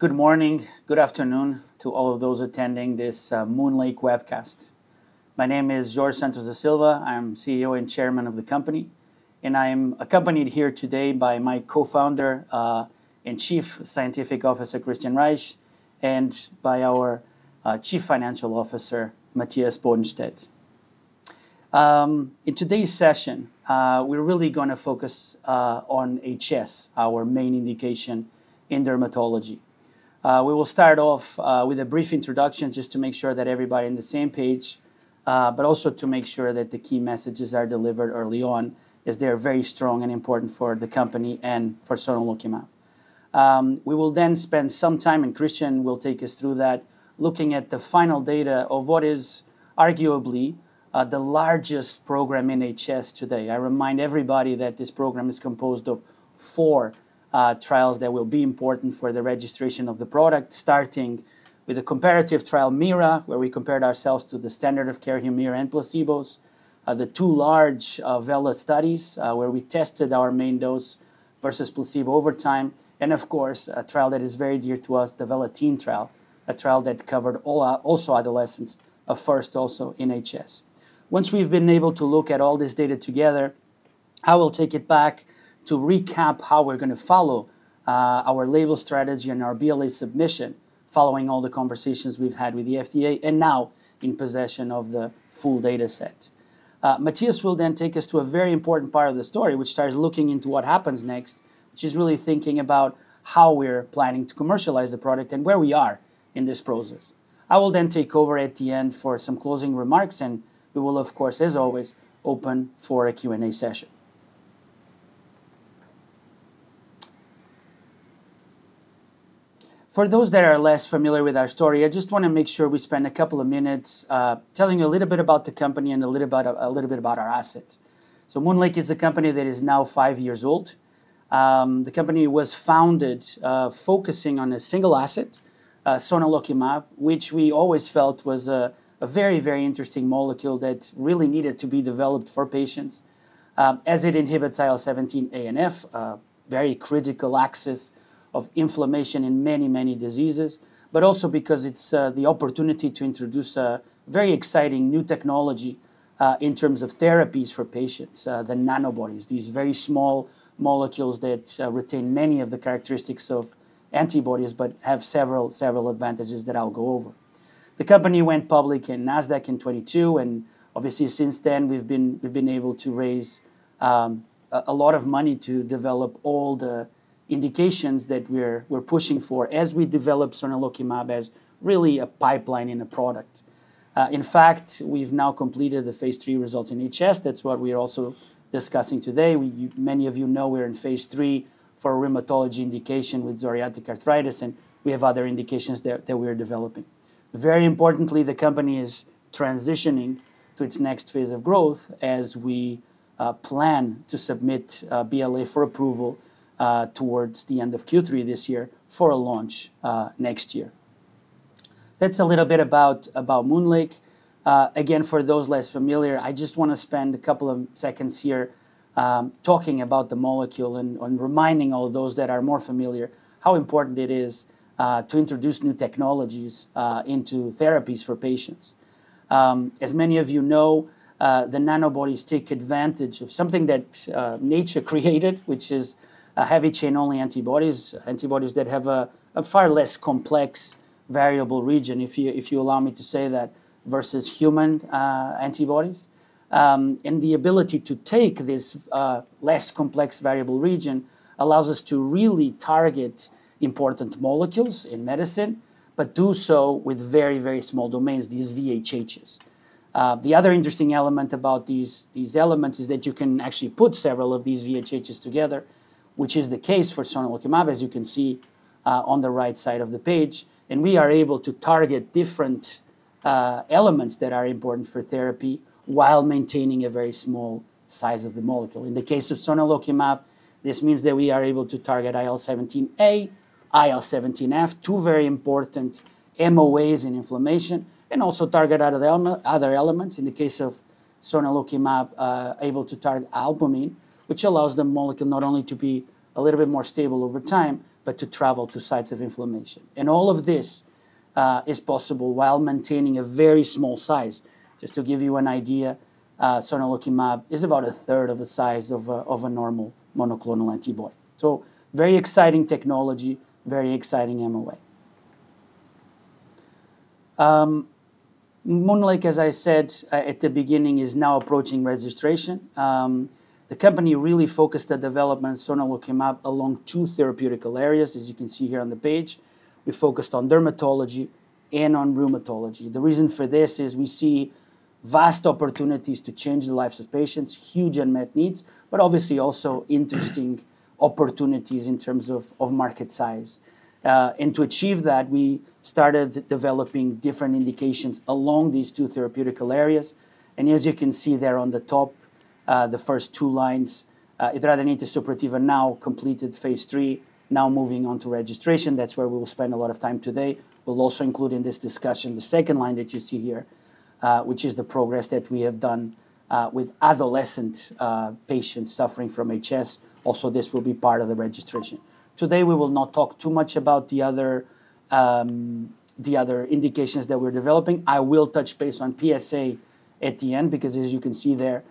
Good morning. Good afternoon to all of those attending this MoonLake webcast. My name is Jorge Santos da Silva. I am CEO and Chairman of the company, and I am accompanied here today by my Co-Founder, and Chief Scientific Officer, Kristian Reich, and by our Chief Financial Officer, Matthias Bodenstedt. In today's session, we're really going to focus on HS, our main indication in dermatology. We will start off with a brief introduction just to make sure that everybody on the same page, but also to make sure that the key messages are delivered early on, as they are very strong and important for the company and for sonelokimab. Kristian will take us through that, looking at the final data of what is arguably the largest program in HS today. I remind everybody that this program is composed of four trials that will be important for the registration of the product, starting with a comparative trial, MIRA, where we compared ourselves to the standard of care, HUMIRA and placebos, the two large VELA studies, where we tested our main dose versus placebo over time, and of course, a trial that is very dear to us, the VELA-TEEN trial, a trial that covered also adolescents, a first also in HS. Once we've been able to look at all this data together, I will take it back to recap how we're going to follow our label strategy and our BLA submission following all the conversations we've had with the FDA, and now in possession of the full data set. Matthias will take us to a very important part of the story, which starts looking into what happens next, which is really thinking about how we're planning to commercialize the product and where we are in this process. I will take over at the end for some closing remarks. We will of course, as always, open for a Q&A session. For those that are less familiar with our story, I just want to make sure we spend a couple of minutes telling you a little bit about the company and a little bit about our asset. MoonLake is a company that is now five years old. The company was founded focusing on a single asset, sonelokimab, which we always felt was a very interesting molecule that really needed to be developed for patients, as it inhibits IL-17A and IL-17F, a very critical axis of inflammation in many diseases, but also because it's the opportunity to introduce a very exciting new technology in terms of therapies for patients, the nanobodies, these very small molecules that retain many of the characteristics of antibodies but have several advantages that I'll go over. The company went public in Nasdaq in 2022. Obviously since then, we've been able to raise a lot of money to develop all the indications that we're pushing for as we develop sonelokimab as really a pipeline and a product. In fact, we've now completed the phase III results in HS. That's what we are also discussing today. Many of you know we are in phase III for rheumatology indication with psoriatic arthritis. We have other indications that we are developing. Very importantly, the company is transitioning to its next phase of growth as we plan to submit a BLA for approval towards the end of Q3 this year for a launch next year. That's a little bit about MoonLake. Again, for those less familiar, I just want to spend a couple of seconds here talking about the molecule and reminding all those that are more familiar how important it is to introduce new technologies into therapies for patients. As many of you know, the nanobodies take advantage of something that nature created, which is heavy chain-only antibodies that have a far less complex variable region, if you allow me to say that, versus human antibodies. The ability to take this less complex variable region allows us to really target important molecules in medicine, but do so with very small domains, these VHHs. The other interesting element about these elements is that you can actually put several of these VHHs together, which is the case for sonelokimab, as you can see on the right side of the page. We are able to target different elements that are important for therapy while maintaining a very small size of the molecule. In the case of sonelokimab, this means that we are able to target IL-17A, IL-17F, two very important MOAs in inflammation, also target other elements. In the case of sonelokimab, able to target albumin, which allows the molecule not only to be a little bit more stable over time, but to travel to sites of inflammation. All of this is possible while maintaining a very small size. Just to give you an idea, sonelokimab is about a third of the size of a normal monoclonal antibody. Very exciting technology, very exciting MOA. MoonLake, as I said at the beginning, is now approaching registration. The company really focused the development of sonelokimab along two therapeutic areas, as you can see here on the page. We focused on dermatology and on rheumatology. The reason for this is we see vast opportunities to change the lives of patients, huge unmet needs, but obviously also interesting opportunities in terms of market size. To achieve that, we started developing different indications along these two therapeutic areas. As you can see there on the top, the first two lines, hidradenitis suppurativa now completed phase III, now moving on to registration. That's where we'll spend a lot of time today. We'll also include in this discussion the second line that you see here, which is the progress that we have done with adolescent patients suffering from HS. Also, this will be part of the registration. Today, we will not talk too much about the other indications that we're developing. I'll touch base on PSA at the end, because as you can see there,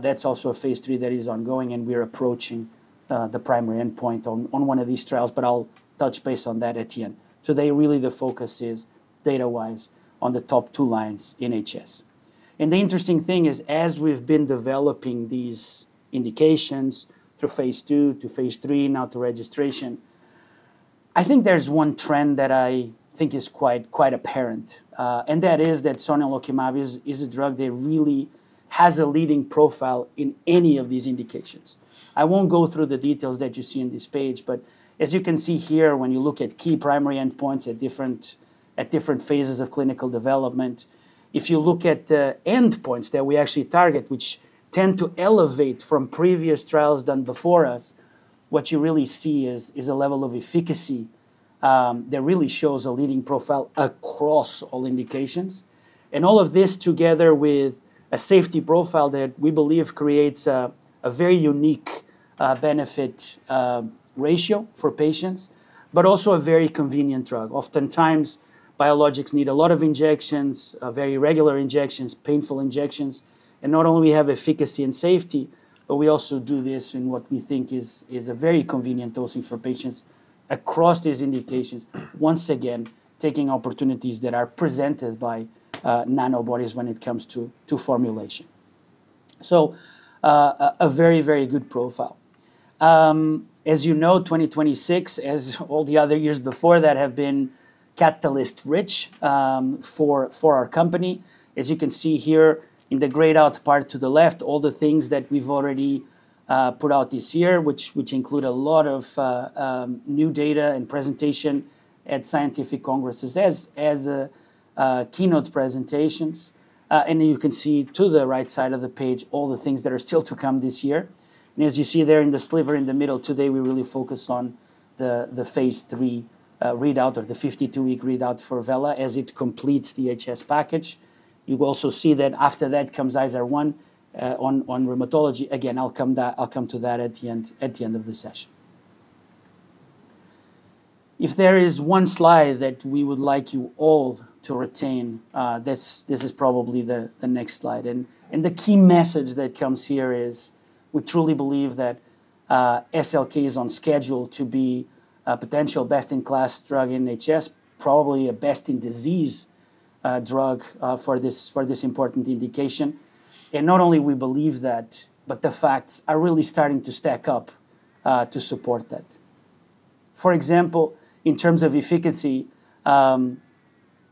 that's also a phase III that is ongoing, and we are approaching the primary endpoint on one of these trials, but I'll touch base on that at the end. Today, really the focus is data-wise on the top two lines in HS. The interesting thing is, as we've been developing these indications through phase II to phase III now to registration, I think there's one trend that I think is quite apparent. That is that sonelokimab is a drug that really has a leading profile in any of these indications. I won't go through the details that you see on this page, as you can see here, when you look at key primary endpoints at different phases of clinical development, if you look at the endpoints that we actually target, which tend to elevate from previous trials done before us, what you really see is a level of efficacy that really shows a leading profile across all indications. All of this together with a safety profile that we believe creates a very unique benefit ratio for patients, but also a very convenient drug. Oftentimes, biologics need a lot of injections, very regular injections, painful injections, not only we have efficacy and safety, but we also do this in what we think is a very convenient dosing for patients across these indications. Once again, taking opportunities that are presented by nanobodies when it comes to formulation. A very good profile. As you know, 2026, as all the other years before that, have been catalyst-rich for our company. As you can see here in the grayed-out part to the left, all the things that we've already put out this year, which include a lot of new data and presentation at scientific congresses, as keynote presentations. You can see to the right side of the page, all the things that are still to come this year. As you see there in the sliver in the middle today, we really focus on the phase III readout or the 52-week readout for VELA as it completes the HS package. You will also see that after that comes IZAR-1 on rheumatology. Again, I'll come to that at the end of the session. If there is one slide that we would like you all to retain, this is probably the next slide. The key message that comes here is we truly believe that SLK is on schedule to be a potential best-in-class drug in HS, probably a best-in-disease drug for this important indication. Not only we believe that, but the facts are really starting to stack up to support that. For example, in terms of efficacy,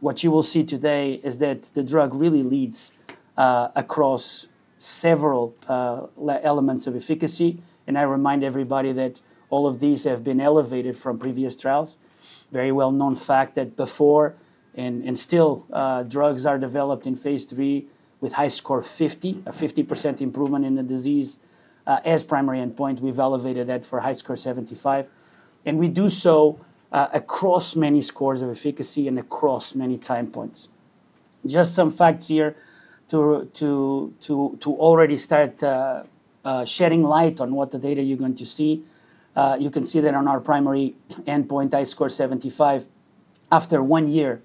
what you will see today is that the drug really leads across several elements of efficacy. I remind everybody that all of these have been elevated from previous trials. Very well-known fact that before, still, drugs are developed in phase III with HiSCR50, a 50% improvement in the disease as primary endpoint. We've elevated that for HiSCR75, we do so across many scores of efficacy and across many time points. Just some facts here to already start shedding light on what the data you're going to see. You can see that on our primary endpoint, HiSCR75. After one year,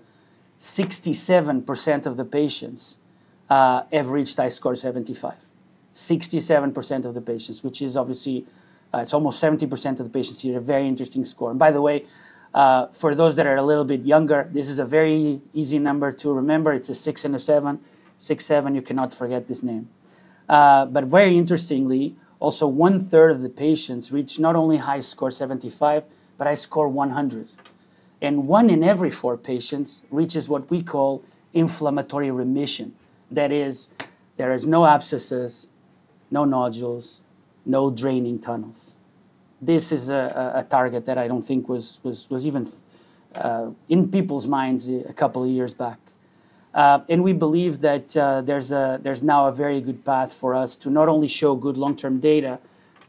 67% of the patients have reached HiSCR75. 67% of the patients, which is obviously almost 70% of the patients here. A very interesting score. By the way, for those that are a little bit younger, this is a very easy number to remember. It's a six and a seven. Six seven, you cannot forget this name. Very interestingly, also 1/3 of the patients reach not only HiSCR75 but HiSCR100, and one in every four patients reaches what we call inflammatory remission. That is, there is no abscesses, no nodules, no draining tunnels. This is a target that I don't think was even in people's minds a couple of years back. We believe that there's now a very good path for us to not only show good long-term data,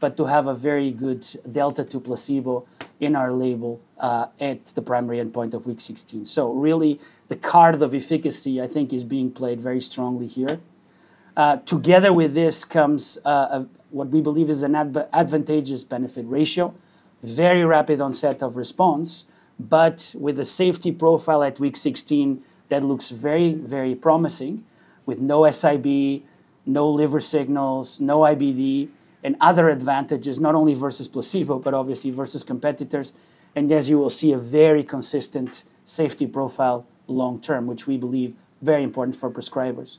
but to have a very good delta to placebo in our label at the primary endpoint of week 16. Really the card of efficacy, I think, is being played very strongly here. Together with this comes what we believe is an advantageous benefit ratio, very rapid onset of response, but with a safety profile at week 16 that looks very promising with no SIB, no liver signals, no IBD, and other advantages, not only versus placebo, but obviously versus competitors. As you will see, a very consistent safety profile long term, which we believe very important for prescribers.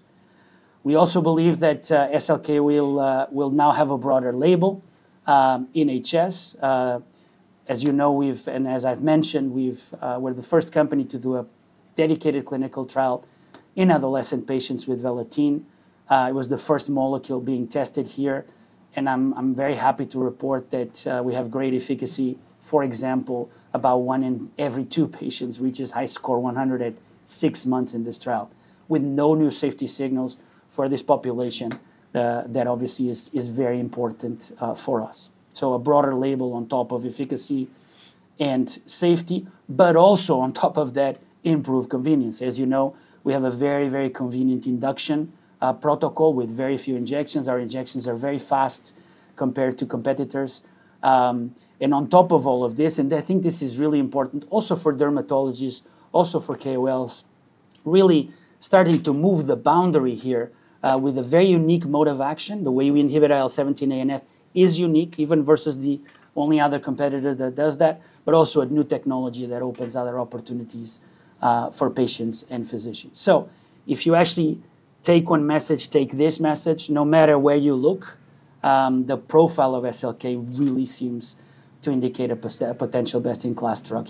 We also believe that SLK will now have a broader label in HS. As you know, and as I've mentioned, we're the first company to do a dedicated clinical trial in adolescent patients with VELA-TEEN. It was the first molecule being tested here, and I'm very happy to report that we have great efficacy. For example, about one in every two patients reaches HiSCR100 at six months in this trial with no new safety signals for this population. That obviously is very important for us. A broader label on top of efficacy and safety, but also on top of that, improved convenience. As you know, we have a very, very convenient induction protocol with very few injections. Our injections are very fast compared to competitors. On top of all of this, and I think this is really important also for dermatologists, also for KOLs, really starting to move the boundary here, with a very unique mode of action. The way we inhibit IL-17A and IL-17F is unique, even versus the only other competitor that does that, but also a new technology that opens other opportunities for patients and physicians. If you actually take one message, take this message. No matter where you look, the profile of SLK really seems to indicate a potential best-in-class drug.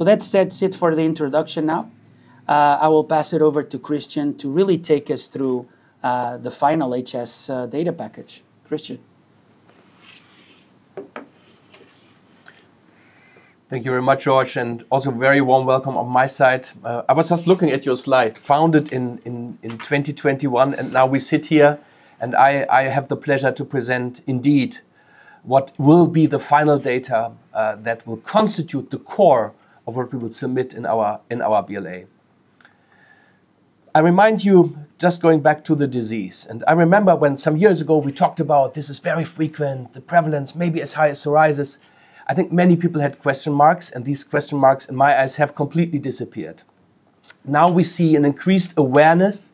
That said, that's it for the introduction now. I will pass it over to Kristian to really take us through the final HS data package. Kristian. Thank you very much, Jorge. Also very warm welcome on my side. I was just looking at your slide, founded in 2021. Now we sit here and I have the pleasure to present indeed what will be the final data that will constitute the core of what we will submit in our BLA. I remind you, just going back to the disease. I remember when some years ago we talked about this is very frequent, the prevalence may be as high as psoriasis. I think many people had question marks, and these question marks, in my eyes, have completely disappeared. Now we see an increased awareness.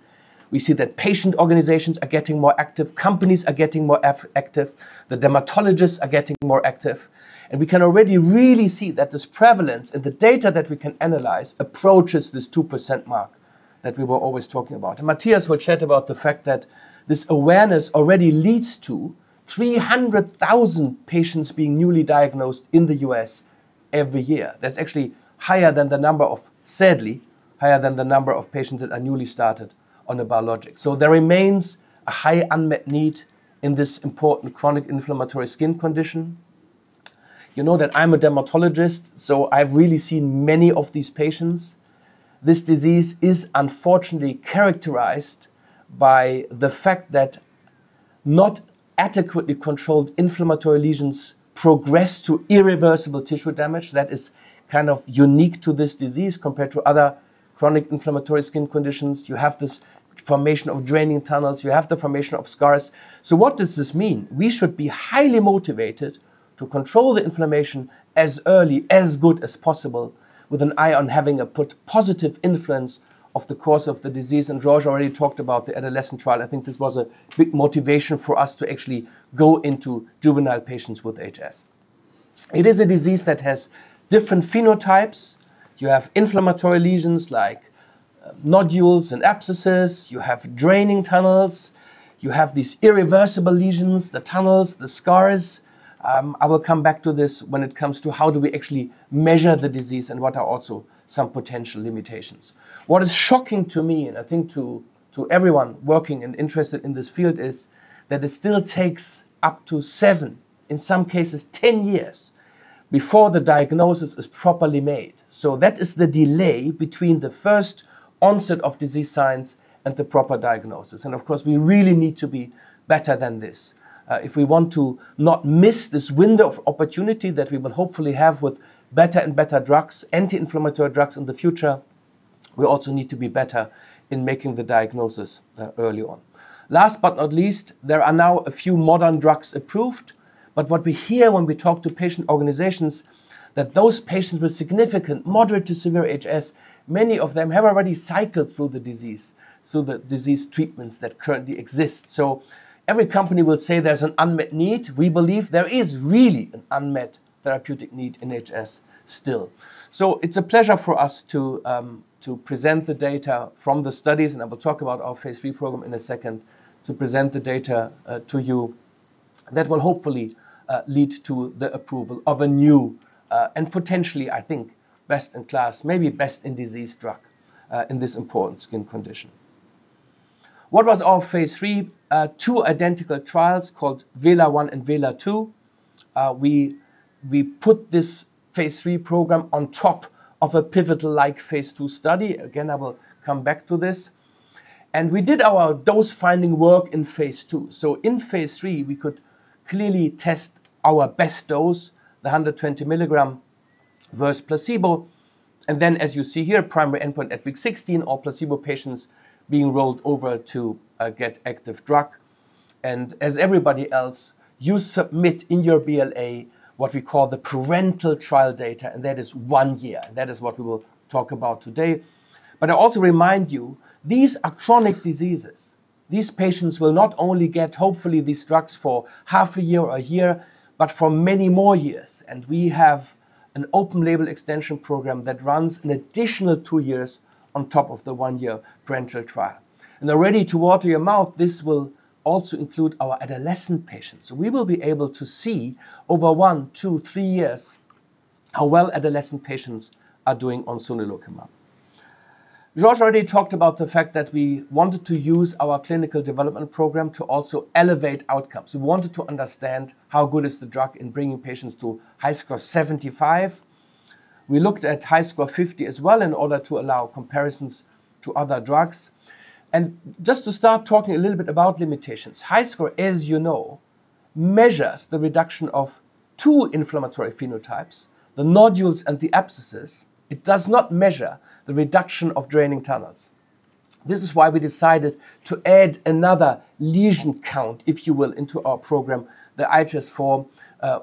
We see that patient organizations are getting more active, companies are getting more active, the dermatologists are getting more active. We can already really see that this prevalence and the data that we can analyze approaches this 2% mark that we were always talking about. Matthias will chat about the fact that this awareness already leads to 300,000 patients being newly diagnosed in the U.S. every year. That's actually, sadly, higher than the number of patients that are newly started on a biologic. There remains a high unmet need in this important chronic inflammatory skin condition. You know that I'm a dermatologist, so I've really seen many of these patients. This disease is unfortunately characterized by the fact that not adequately controlled inflammatory lesions progress to irreversible tissue damage that is kind of unique to this disease compared to other chronic inflammatory skin conditions. You have this formation of draining tunnels. You have the formation of scars. What does this mean? We should be highly motivated to control the inflammation as early, as good as possible, with an eye on having a positive influence of the course of the disease. Jorge already talked about the adolescent trial. I think this was a big motivation for us to actually go into juvenile patients with HS. It is a disease that has different phenotypes. You have inflammatory lesions like nodules and abscesses. You have draining tunnels. You have these irreversible lesions, the tunnels, the scars. I will come back to this when it comes to how do we actually measure the disease and what are also some potential limitations. What is shocking to me and I think to everyone working and interested in this field, is that it still takes up to seven, in some cases 10 years before the diagnosis is properly made. That is the delay between the first onset of disease signs and the proper diagnosis. Of course, we really need to be better than this. If we want to not miss this window of opportunity that we will hopefully have with better and better drugs, anti-inflammatory drugs in the future, we also need to be better in making the diagnosis early on. Last but not least, there are now a few modern drugs approved. What we hear when we talk to patient organizations, that those patients with significant moderate to severe HS, many of them have already cycled through the disease treatments that currently exist. Every company will say there's an unmet need. We believe there is really an unmet therapeutic need in HS still. It's a pleasure for us to present the data from the studies, I will talk about our phase III program in a second, to present the data to you that will hopefully lead to the approval of a new, and potentially, I think, best-in-class, maybe best-in-disease drug, in this important skin condition. What was our phase III? Two identical trials called VELA-1 and VELA-2. We put this phase III program on top of a pivotal-like phase II study. Again, I will come back to this. We did our dose-finding work in phase II. In phase III, we could clearly test our best dose, the 120 mg, versus placebo. As you see here, primary endpoint at week 16, all placebo patients being rolled over to get active drug. As everybody else, you submit in your BLA what we call the parental trial data, and that is one year. That is what we will talk about today. I also remind you, these are chronic diseases. These patients will not only get, hopefully, these drugs for half a year or a year, but for many more years. We have an open label extension program that runs an additional two years on top of the one-year parental trial. Already to water your mouth, this will also include our adolescent patients. We will be able to see over one, two, three years how well adolescent patients are doing on sonelokimab. Jorge already talked about the fact that we wanted to use our clinical development program to also elevate outcomes. We wanted to understand how good is the drug in bringing patients to HiSCR75. We looked at HiSCR50 as well in order to allow comparisons to other drugs. Just to start talking a little bit about limitations, HiSCR, as you know, measures the reduction of two inflammatory phenotypes, the nodules and the abscesses. It does not measure the reduction of draining tunnels. This is why we decided to add another lesion count, if you will, into our program, the IHS4,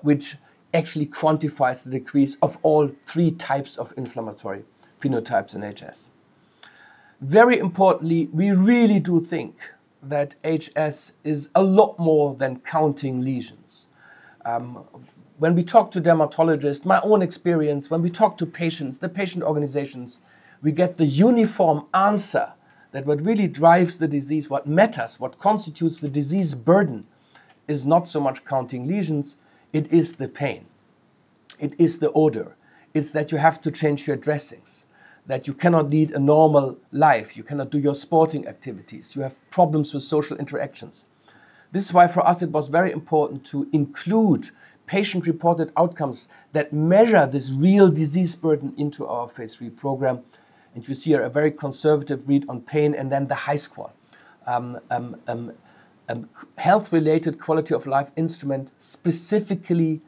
which actually quantifies the decrease of all three types of inflammatory phenotypes in HS. Very importantly, we really do think that HS is a lot more than counting lesions. When we talk to dermatologists, my own experience, when we talk to patients, the patient organizations, we get the uniform answer that what really drives the disease, what matters, what constitutes the disease burden, is not so much counting lesions, it is the pain. It is the odor. It's that you have to change your dressings, that you cannot lead a normal life. You cannot do your sporting activities. You have problems with social interactions. This is why, for us, it was very important to include patient-reported outcomes that measure this real disease burden into our phase III program, which we see are a very conservative read on pain, and then the HiSQOL, a health-related quality-of-life instrument specifically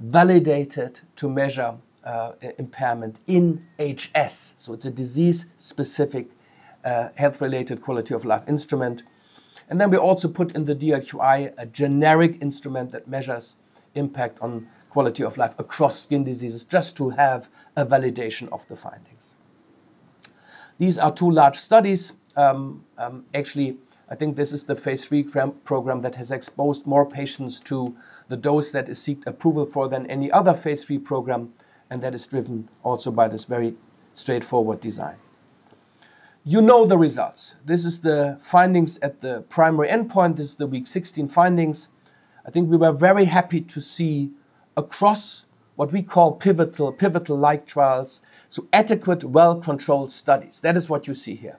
validated to measure impairment in HS. It's a disease-specific, health-related quality-of-life instrument. We also put in the DLQI, a generic instrument that measures impact on quality of life across skin diseases, just to have a validation of the findings. These are two large studies. Actually, I think this is the phase III program that has exposed more patients to the dose that it seeked approval for than any other phase III program, and that is driven also by this very straightforward design. You know the results. This is the findings at the primary endpoint. This is the week 16 findings. I think we were very happy to see across what we call pivotal-like trials, so adequate, well-controlled studies. That is what you see here.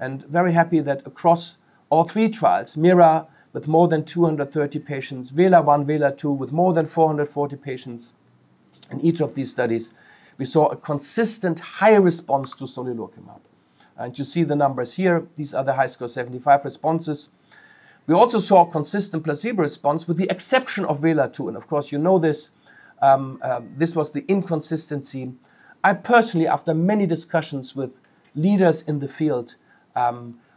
Very happy that across all three trials, MIRA, with more than 230 patients, VELA-1, VELA-2 with more than 440 patients in each of these studies, we saw a consistent higher response to sonelokimab. You see the numbers here. These are the HiSCR75 responses. We also saw a consistent placebo response with the exception of VELA-2. Of course, you know this was the inconsistency. I personally, after many discussions with leaders in the field,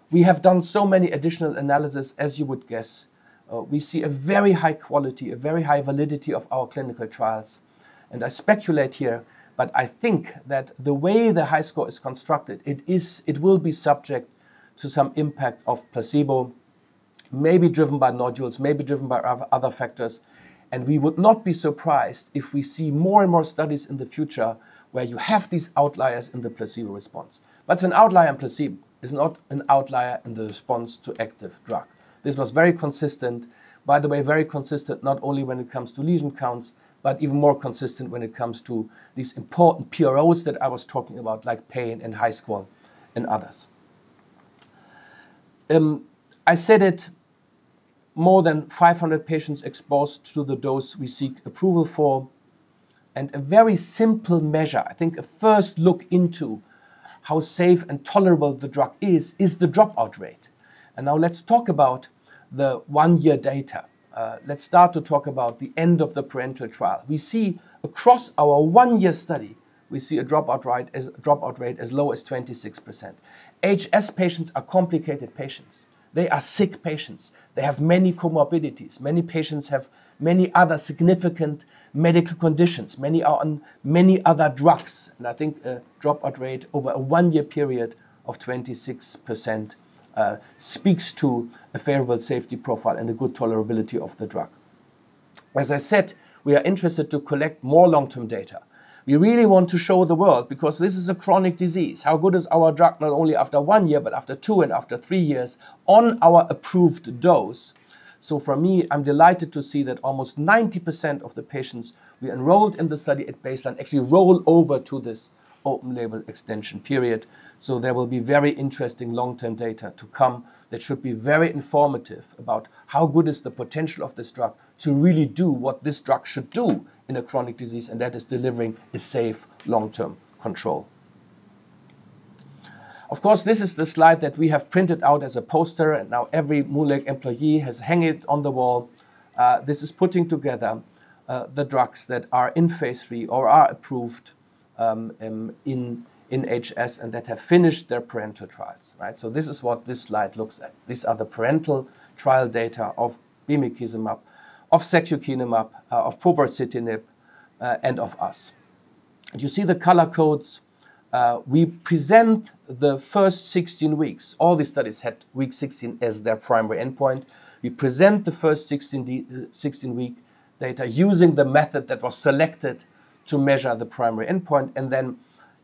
we have done so many additional analyses, as you would guess. We see a very high quality, a very high validity of our clinical trials. I speculate here, but I think that the way the HiSCR is constructed, it will be subject to some impact of placebo, maybe driven by nodules, maybe driven by other factors. We would not be surprised if we see more and more studies in the future where you have these outliers in the placebo response. An outlier in placebo is not an outlier in the response to active drug. This was very consistent, by the way, very consistent, not only when it comes to lesion counts, but even more consistent when it comes to these important PROs that I was talking about, like pain and HiSCR and others. I said it, more than 500 patients exposed to the dose we seek approval for, and a very simple measure, I think a first look into how safe and tolerable the drug is the dropout rate. Now let's talk about the one-year data. Let's start to talk about the end of the parental trial. We see across our one-year study, we see a dropout rate as low as 26%. HS patients are complicated patients. They are sick patients. They have many comorbidities. Many patients have many other significant medical conditions. Many are on many other drugs. I think a dropout rate over a one-year period of 26% speaks to a favorable safety profile and a good tolerability of the drug. As I said, we are interested to collect more long-term data. We really want to show the world, because this is a chronic disease, how good is our drug not only after one year, but after two and after three years on our approved dose. For me, I'm delighted to see that almost 90% of the patients we enrolled in the study at baseline actually roll over to this open-label extension period. There will be very interesting long-term data to come that should be very informative about how good is the potential of this drug to really do what this drug should do in a chronic disease, and that is delivering a safe long-term control. Of course, this is the slide that we have printed out as a poster, and now every MoonLake employee has hung it on the wall. This is putting together the drugs that are in phase III or are approved in HS and that have finished their parental trials. This is what this slide looks at. These are the parental trial data of bimekizumab, of secukinumab, of povorcitinib, and of us. You see the color codes. We present the first 16 weeks. All these studies had week 16 as their primary endpoint. We present the first 16-week data using the method that was selected to measure the primary endpoint.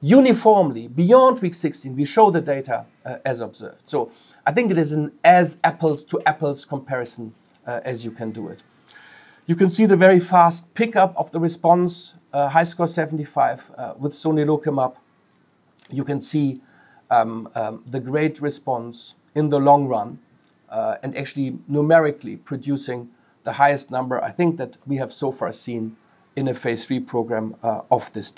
Uniformly, beyond week 16, we show the data as observed. I think it is an as apples-to-apples comparison as you can do it. You can see the very fast pickup of the response, HiSCR75 with sonelokimab. You can see the great response in the long run, numerically producing the highest number, I think, that we have so far seen in a phase III program of this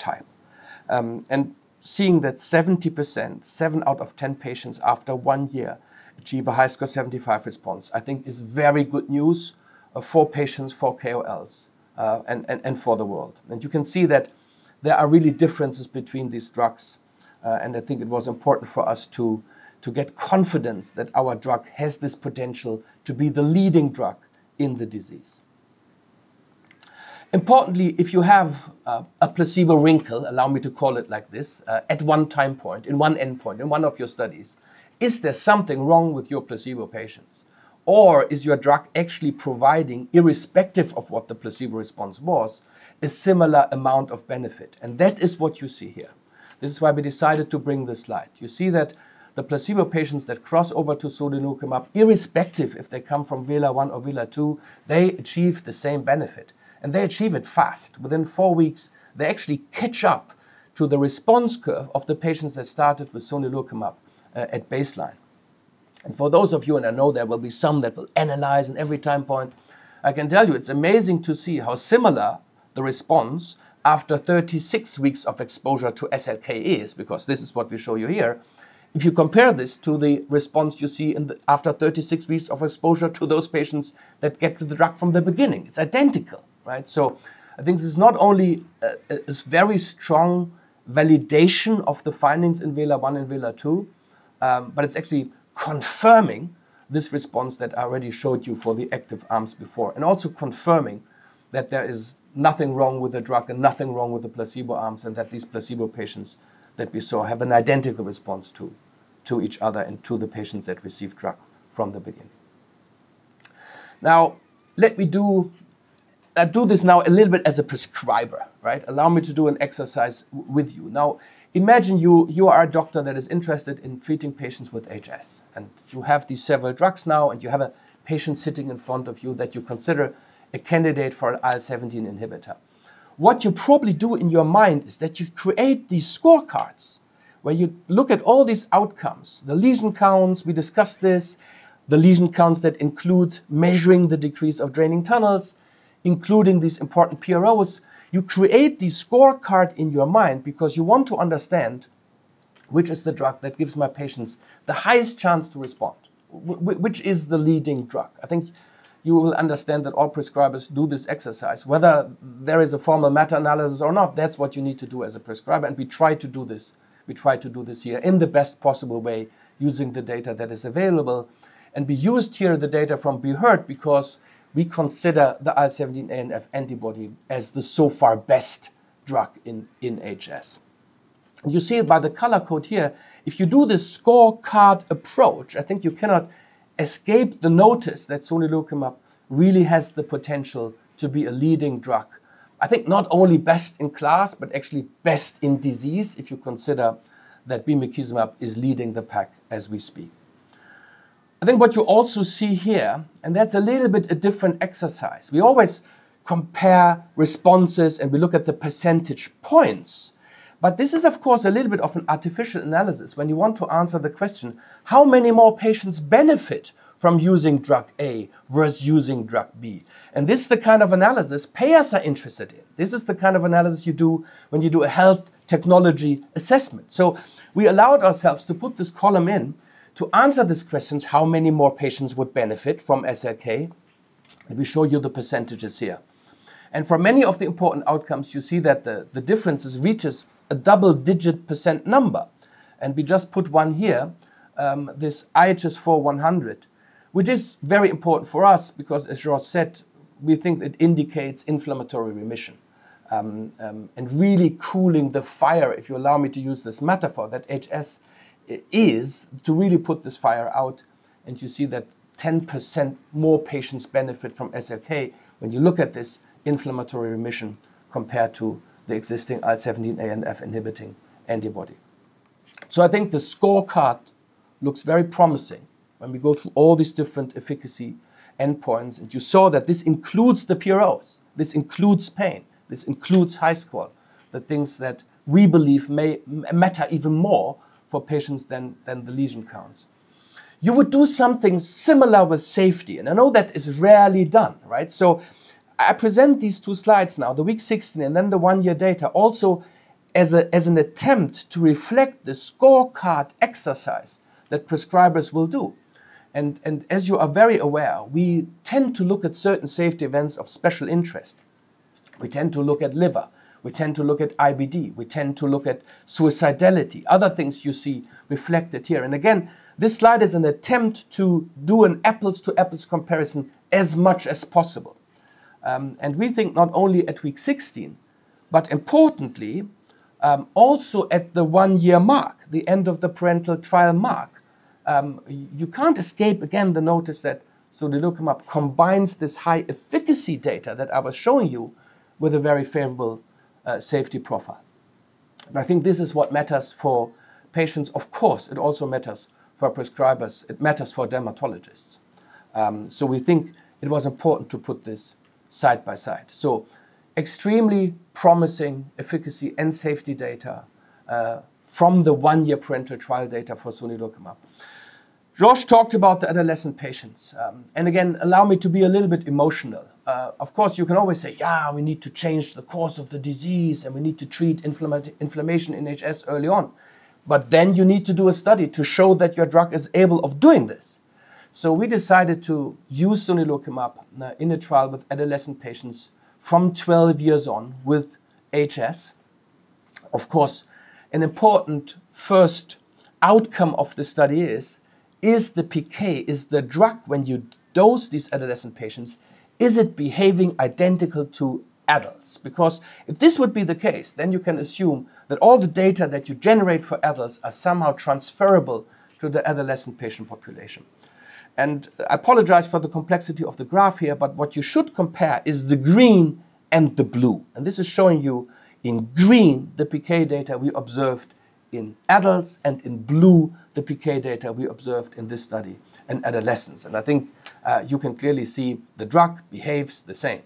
type. Seeing that 70%, seven out of 10 patients after one year achieve a HiSCR75 response, I think is very good news for patients, for KOLs, and for the world. You can see that there are really differences between these drugs. I think it was important for us to get confidence that our drug has this potential to be the leading drug in the disease. Importantly, if you have a placebo wrinkle, allow me to call it like this, at one time point, in one endpoint, in one of your studies. Is there something wrong with your placebo patients, or is your drug actually providing, irrespective of what the placebo response was, a similar amount of benefit? That is what you see here. This is why we decided to bring this slide. You see that the placebo patients that cross over to sonelokimab, irrespective if they come from VELA-1 or VELA-2, they achieve the same benefit. They achieve it fast. Within four weeks, they actually catch up to the response curve of the patients that started with sonelokimab at baseline. For those of you, and I know there will be some that will analyze in every time point, I can tell you it's amazing to see how similar the response after 36 weeks of exposure to SLK is, because this is what we show you here. If you compare this to the response you see after 36 weeks of exposure to those patients that get the drug from the beginning, it's identical. I think this is not only a very strong validation of the findings in VELA-1 and VELA-2, but it's actually confirming this response that I already showed you for the active arms before, and also confirming that there is nothing wrong with the drug and nothing wrong with the placebo arms, and that these placebo patients that we saw have an identical response to each other and to the patients that received drug from the beginning. Now, let me do this now a little bit as a prescriber. Allow me to do an exercise with you. Now, imagine you are a doctor that is interested in treating patients with HS, and you have these several drugs now, and you have a patient sitting in front of you that you consider a candidate for an IL-17 inhibitor. What you probably do in your mind is that you create these scorecards where you look at all these outcomes, the lesion counts, we discussed this, the lesion counts that include measuring the decrease of draining tunnels, including these important PROs. You create the scorecard in your mind because you want to understand which is the drug that gives my patients the highest chance to respond. Which is the leading drug? I think you will understand that all prescribers do this exercise, whether there is a formal meta-analysis or not, that's what you need to do as a prescriber, and we try to do this. We try to do this here in the best possible way using the data that is available. We used here the data from Be Heard because we consider the IL-17A and IL-17F antibody as the so far best drug in HS. You see by the color code here, if you do this scorecard approach, I think you cannot escape the notice that sonelokimab really has the potential to be a leading drug. I think not only best in class, but actually best in disease, if you consider that bimekizumab is leading the pack as we speak. I think what you also see here, and that's a little bit a different exercise. We always compare responses, and we look at the percentage points. This is, of course, a little bit of an artificial analysis when you want to answer the question: how many more patients benefit from using drug A versus using drug B? This is the kind of analysis payers are interested in. This is the kind of analysis you do when you do a health technology assessment. We allowed ourselves to put this column in to answer these questions, how many more patients would benefit from SLK? We show you the percentages here. For many of the important outcomes, you see that the differences reaches a double-digit percent number. We just put one here, this IHS4-100, which is very important for us because as Jorge said, we think it indicates inflammatory remission. Really cooling the fire, if you allow me to use this metaphor, that HS is to really put this fire out, you see that 10% more patients benefit from SLK when you look at this inflammatory remission compared to the existing IL-17A and IL-17F inhibiting antibody. I think the scorecard looks very promising when we go through all these different efficacy endpoints, you saw that this includes the PROs. This includes pain. This includes HiSCR, the things that we believe may matter even more for patients than the lesion counts. I know that is rarely done. I present these two slides now, the week 16 and then the one-year data, also as an attempt to reflect the scorecard exercise that prescribers will do. As you are very aware, we tend to look at certain safety events of special interest. We tend to look at liver. We tend to look at IBD. We tend to look at suicidality, other things you see reflected here. Again, this slide is an attempt to do an apples-to-apples comparison as much as possible. We think not only at week 16, but importantly, also at the one-year mark, the end of the parental trial mark. You can't escape again the notice that sonelokimab combines this high efficacy data that I was showing you with a very favorable safety profile. I think this is what matters for patients. Of course, it also matters for prescribers. It matters for dermatologists. We think it was important to put this side by side. Extremely promising efficacy and safety data from the one-year parental trial data for sonelokimab. Jorge talked about the adolescent patients. Again, allow me to be a little bit emotional. You can always say, "Yeah, we need to change the course of the disease, and we need to treat inflammation in HS early on." You need to do a study to show that your drug is able of doing this. We decided to use sonelokimab in a trial with adolescent patients from 12 years on with HS. An important first outcome of the study is the PK, is the drug when you dose these adolescent patients, is it behaving identical to adults? If this would be the case, then you can assume that all the data that you generate for adults are somehow transferable to the adolescent patient population. I apologize for the complexity of the graph here, but what you should compare is the green and the blue. This is showing you in green the PK data we observed in adults, and in blue, the PK data we observed in this study in adolescents. I think you can clearly see the drug behaves the same.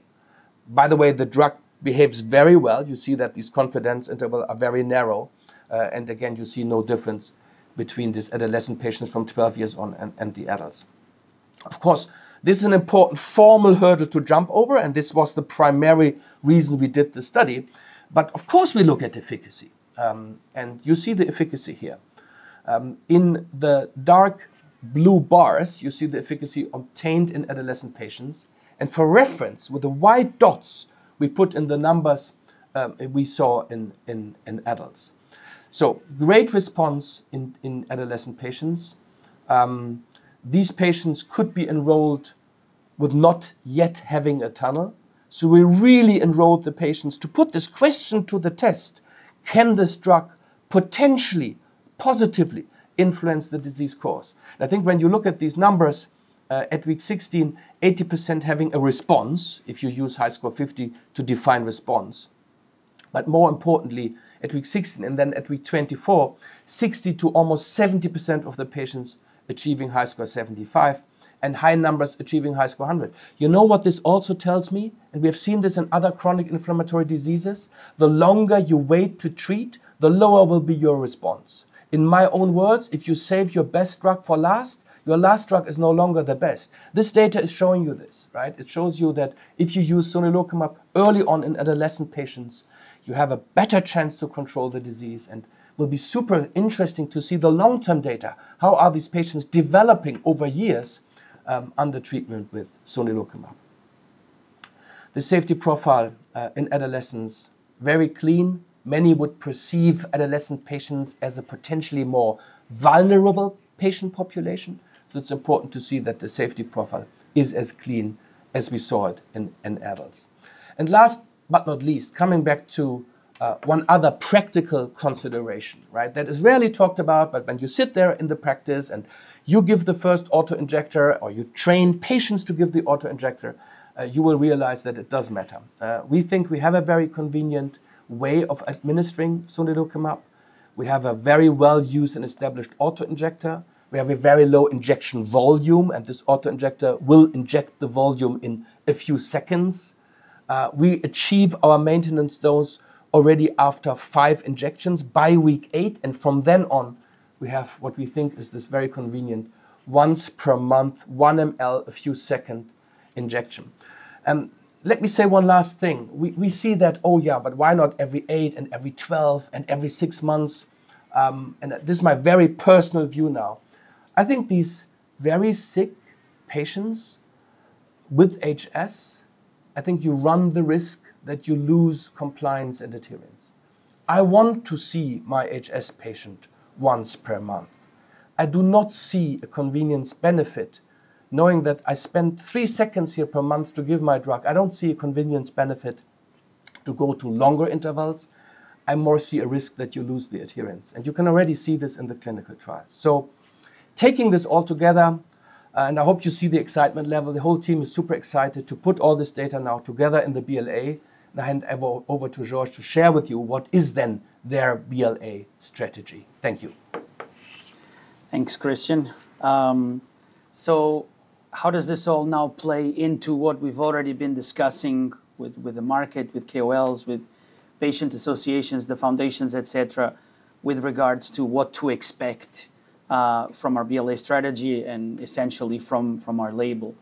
By the way, the drug behaves very well. You see that these confidence interval are very narrow. Again, you see no difference between these adolescent patients from 12 years on and the adults. This is an important formal hurdle to jump over, and this was the primary reason we did the study. We look at efficacy, and you see the efficacy here. In the dark blue bars, you see the efficacy obtained in adolescent patients. For reference, with the white dots, we put in the numbers we saw in adults. Great response in adolescent patients. These patients could be enrolled with not yet having a tunnel. We really enrolled the patients to put this question to the test. Can this drug potentially positively influence the disease course? I think when you look at these numbers, at week 16, 80% having a response if you use HiSCR50 to define response. More importantly, at week 16 and then at week 24, 60%-70% of the patients achieving HiSCR75, and high numbers achieving HiSCR100. You know what this also tells me, and we have seen this in other chronic inflammatory diseases, the longer you wait to treat, the lower will be your response. In my own words, if you save your best drug for last, your last drug is no longer the best. This data is showing you this. It shows you that if you use sonelokimab early on in adolescent patients, you have a better chance to control the disease, and will be super interesting to see the long-term data. How are these patients developing over years under treatment with sonelokimab? The safety profile in adolescents, very clean. Many would perceive adolescent patients as a potentially more vulnerable patient population, it's important to see that the safety profile is as clean as we saw it in adults. Last but not least, coming back to one other practical consideration. That is rarely talked about, but when you sit there in the practice and you give the first auto-injector, or you train patients to give the auto-injector, you will realize that it does matter. We think we have a very convenient way of administering sonelokimab. We have a very well-used and established auto-injector. We have a very low injection volume, and this auto-injector will inject the volume in a few seconds. We achieve our maintenance dose already after five injections by week eight, and from then on, we have what we think is this very convenient once per month, 1 ml, a few second injection. Let me say one last thing. We see that, oh yeah, why not every eight and every 12 and every six months? This is my very personal view now. I think these very sick patients with HS, I think you run the risk that you lose compliance and adherence. I want to see my HS patient once per month. I do not see a convenience benefit knowing that I spend three seconds here per month to give my drug. I don't see a convenience benefit to go to longer intervals. I more see a risk that you lose the adherence, and you can already see this in the clinical trials. Taking this all together, and I hope you see the excitement level. The whole team is super excited to put all this data now together in the BLA. I hand over to Jorge to share with you what is their BLA strategy. Thank you. Thanks, Kristian. How does this all now play into what we've already been discussing with the market, with KOLs, with patient associations, the foundations, et cetera, with regards to what to expect from our BLA strategy and essentially from our label?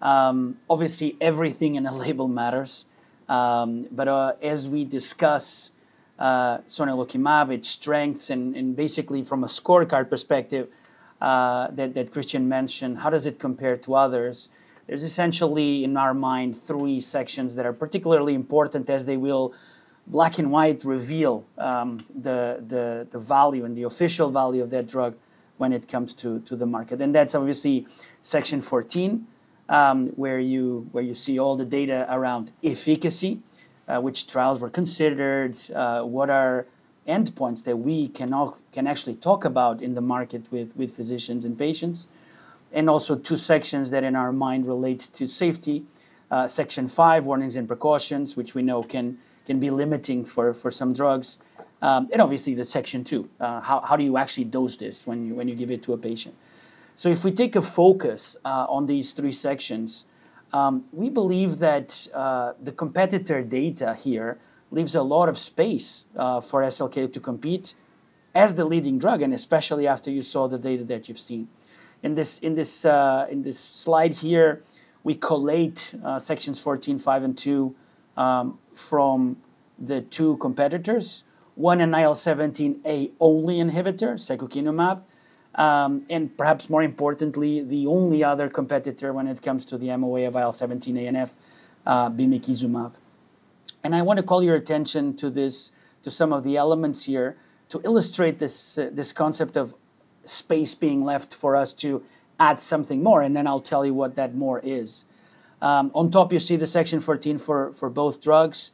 Obviously, everything in a label matters. As we discuss sonelokimab, its strengths, and basically from a scorecard perspective that Kristian mentioned, how does it compare to others? There's essentially, in our mind, three sections that are particularly important as they will black and white reveal the value and the official value of that drug when it comes to the market. That's obviously section 14, where you see all the data around efficacy, which trials were considered, what are endpoints that we can actually talk about in the market with physicians and patients. Also two sections that in our mind relate to safety. Section five, warnings and precautions, which we know can be limiting for some drugs. Obviously the section two, how do you actually dose this when you give it to a patient? If we take a focus on these three sections, we believe that the competitor data here leaves a lot of space for SLK to compete as the leading drug, especially after you saw the data that you've seen. In this slide here, we collate sections 14, five, and two from the two competitors, one an IL-17A only inhibitor, secukinumab, and perhaps more importantly, the only other competitor when it comes to the MOA of IL-17A and IL-17F, bimekizumab. I want to call your attention to some of the elements here to illustrate this concept of space being left for us to add something more, and then I'll tell you what that more is. On top, you see the section 14 for both drugs.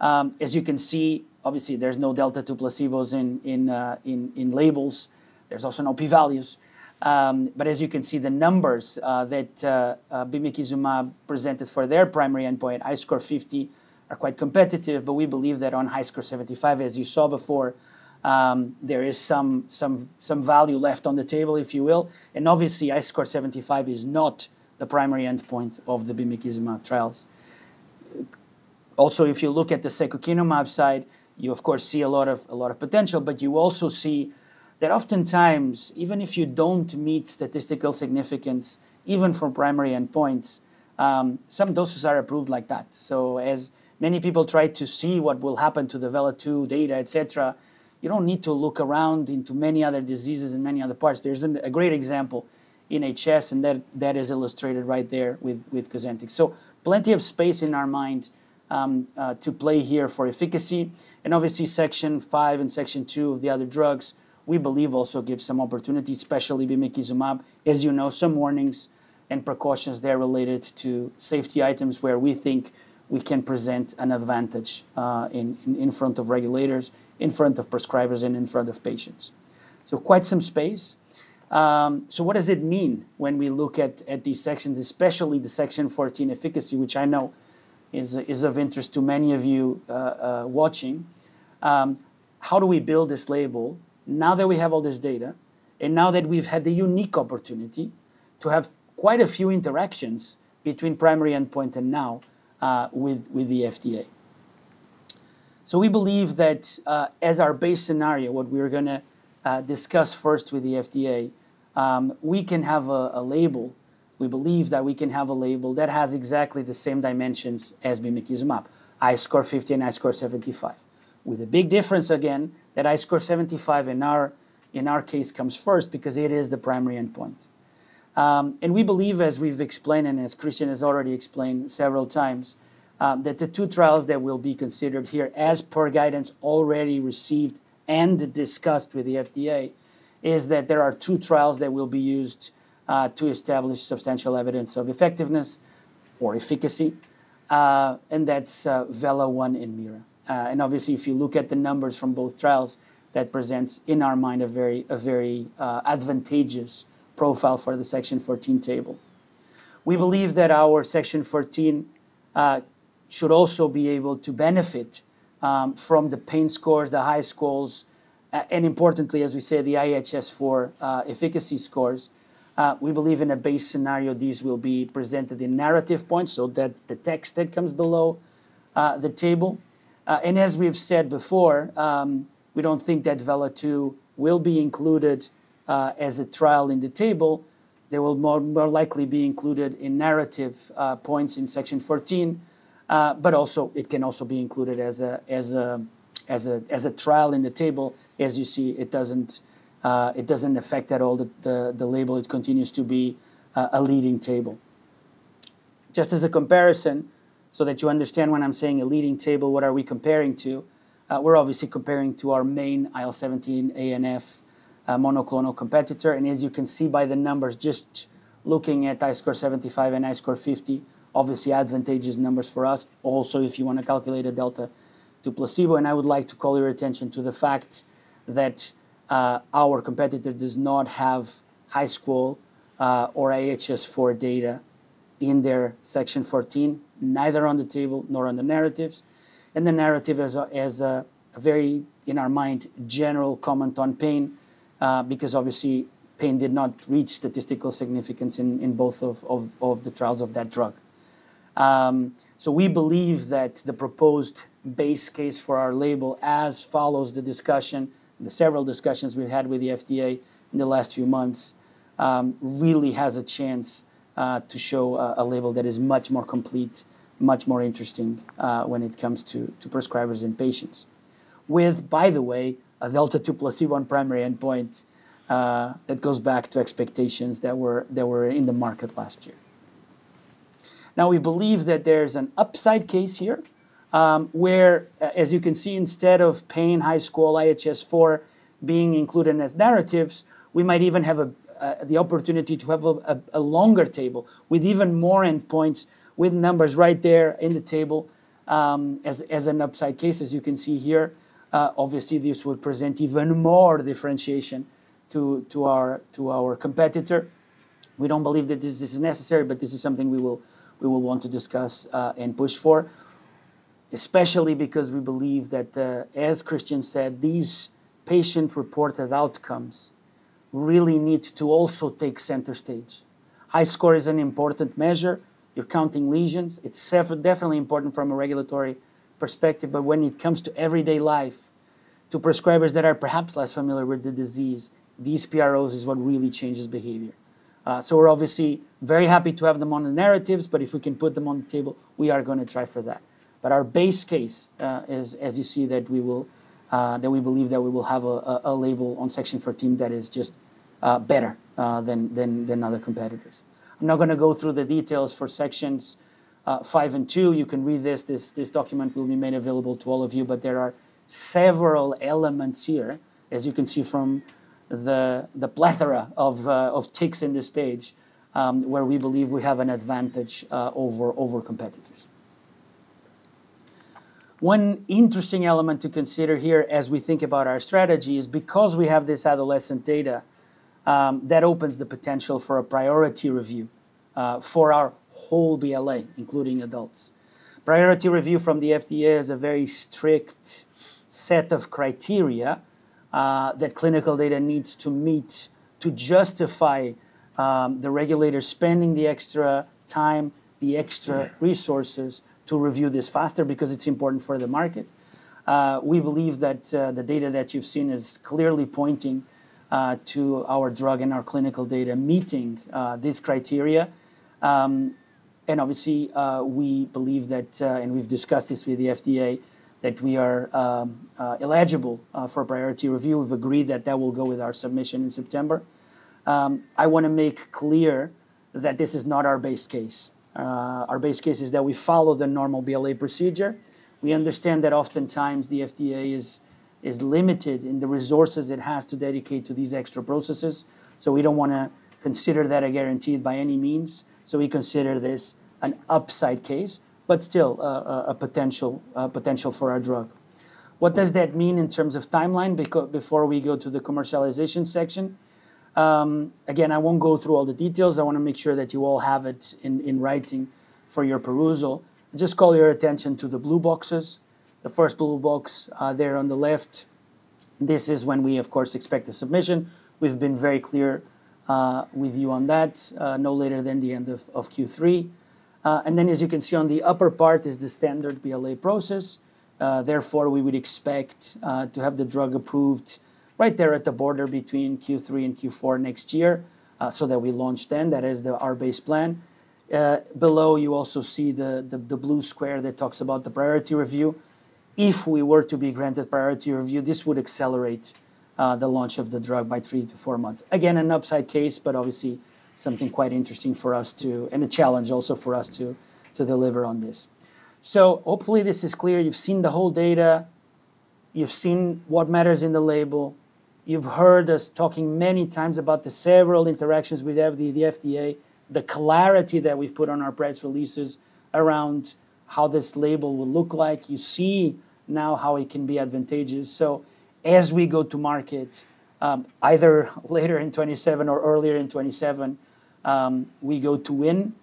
As you can see, obviously there's no delta to placebos in labels. There's also no P-values. As you can see, the numbers that bimekizumab presented for their primary endpoint, HiSCR50, are quite competitive, but we believe that on HiSCR75, as you saw before, there is some value left on the table, if you will, and obviously, HiSCR75 is not the primary endpoint of the bimekizumab trials. If you look at the secukinumab side, you of course see a lot of potential, but you also see that oftentimes, even if you don't meet statistical significance, even for primary endpoints, some doses are approved like that. As many people try to see what will happen to phase II data, et cetera, you don't need to look around into many other diseases in many other parts. There's a great example in HS, that is illustrated right there with Cosentyx. Plenty of space in our mind to play here for efficacy, obviously section five and section two of the other drugs, we believe also give some opportunities, especially bimekizumab. As you know, some warnings and precautions there related to safety items where we think we can present an advantage in front of regulators, in front of prescribers, and in front of patients. Quite some space. What does it mean when we look at these sections, especially the section 14 efficacy, which I know is of interest to many of you watching. How do we build this label now that we have all this data, now that we've had the unique opportunity to have quite a few interactions between primary endpoint and now with the FDA. We believe that as our base scenario, what we're going to discuss first with the FDA, we believe that we can have a label that has exactly the same dimensions as bimekizumab, HiSCR50 and HiSCR75. With a big difference again, that HiSCR75 in our case comes first because it is the primary endpoint. We believe, as we've explained, and as Kristian has already explained several times, that the two trials that will be considered here as per guidance already received and discussed with the FDA is that there are two trials that will be used to establish substantial evidence of effectiveness or efficacy, and that's VELA-1 and MIRA. Obviously, if you look at the numbers from both trials, that presents, in our mind, a very advantageous profile for the section 14 table. We believe that our section 14 should also be able to benefit from the pain scores, the HiSCR scores, and importantly, as we said, the IHS4 efficacy scores. We believe in a base scenario, these will be presented in narrative points, so that's the text that comes below the table. As we've said before, we don't think that VELA-2 will be included as a trial in the table. They will more likely be included in narrative points in section 14. Also, it can also be included as a trial in the table. As you see, it doesn't affect at all the label. It continues to be a leading table. Just as a comparison, so that you understand when I'm saying a leading table, what are we comparing to? We're obviously comparing to our main IL-17A and IL-17F monoclonal competitor, as you can see by the numbers, just looking at HiSCR75 and HiSCR50, obviously advantageous numbers for us. Also, if you want to calculate a delta to placebo, and I would like to call your attention to the fact that our competitor does not have HiSCR or IHS4 data in their section 14, neither on the table nor on the narratives. The narrative is a very, in our mind, general comment on pain, because obviously pain did not reach statistical significance in both of the trials of that drug. We believe that the proposed base case for our label as follows the discussion, the several discussions we've had with the FDA in the last few months, really has a chance to show a label that is much more complete, much more interesting when it comes to prescribers and patients. With, by the way, a delta to placebo and primary endpoint that goes back to expectations that were in the market last year. Now we believe that there's an upside case here, where, as you can see, instead of pain, HiSCR, IHS4 being included as narratives, we might even have the opportunity to have a longer table with even more endpoints, with numbers right there in the table as an upside case, as you can see here. Obviously, this would present even more differentiation to our competitor. We don't believe that this is necessary, but this is something we will want to discuss and push for. Especially because we believe that, as Kristian Reich said, these patient-reported outcomes really need to also take center stage. HiSCR is an important measure. You're counting lesions. It's definitely important from a regulatory perspective, but when it comes to everyday life, to prescribers that are perhaps less familiar with the disease, these PROs is what really changes behavior. We're obviously very happy to have them on the narratives, but if we can put them on the table, we are going to try for that. Our base case is, as you see, that we believe that we will have a label on section 14 that is just better than other competitors. I'm not going to go through the details for sections five and two. You can read this. This document will be made available to all of you, there are several elements here, as you can see from the plethora of ticks in this page, where we believe we have an advantage over competitors. One interesting element to consider here as we think about our strategy is because we have this adolescent data, that opens the potential for a priority review for our whole BLA, including adults. Priority review from the FDA is a very strict set of criteria that clinical data needs to meet to justify the regulator spending the extra time, the extra resources to review this faster because it's important for the market. We believe that the data that you've seen is clearly pointing to our drug and our clinical data meeting these criteria. Obviously, we believe that, and we've discussed this with the FDA, that we are eligible for priority review. We've agreed that that will go with our submission in September. I want to make clear that this is not our base case. Our base case is that we follow the normal BLA procedure. We understand that oftentimes the FDA is limited in the resources it has to dedicate to these extra processes, we don't want to consider that a guarantee by any means. We consider this an upside case, but still a potential for our drug. What does that mean in terms of timeline before we go to the commercialization section? Again, I won't go through all the details. I want to make sure that you all have it in writing for your perusal. Just call your attention to the blue boxes. The first blue box there on the left, this is when we, of course, expect a submission. We've been very clear with you on that, no later than the end of Q3. As you can see on the upper part is the standard BLA process. We would expect to have the drug approved right there at the border between Q3 and Q4 next year, so that we launch then. That is our base plan. Below, you also see the blue square that talks about the priority review. If we were to be granted priority review, this would accelerate the launch of the drug by three to four months. Again, an upside case, but obviously something quite interesting for us, and a challenge also for us to deliver on this. Hopefully this is clear. You've seen the whole data. You've seen what matters in the label. You've heard us talking many times about the several interactions with the FDA, the clarity that we've put on our press releases around how this label will look like. You see now how it can be advantageous. As we go to market, either later in 2027 or earlier in 2027, we go to win.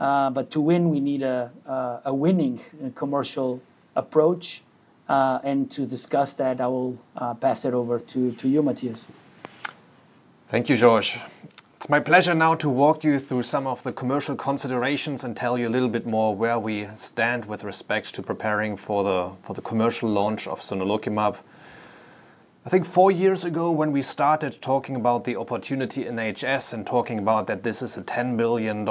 To win, we need a winning commercial approach. To discuss that, I will pass it over to you, Matthias. Thank you, Jorge. It's my pleasure now to walk you through some of the commercial considerations and tell you a little bit more where we stand with respect to preparing for the commercial launch of sonelokimab. I think four years ago, when we started talking about the opportunity in HS and talking about that this is a $10 billion+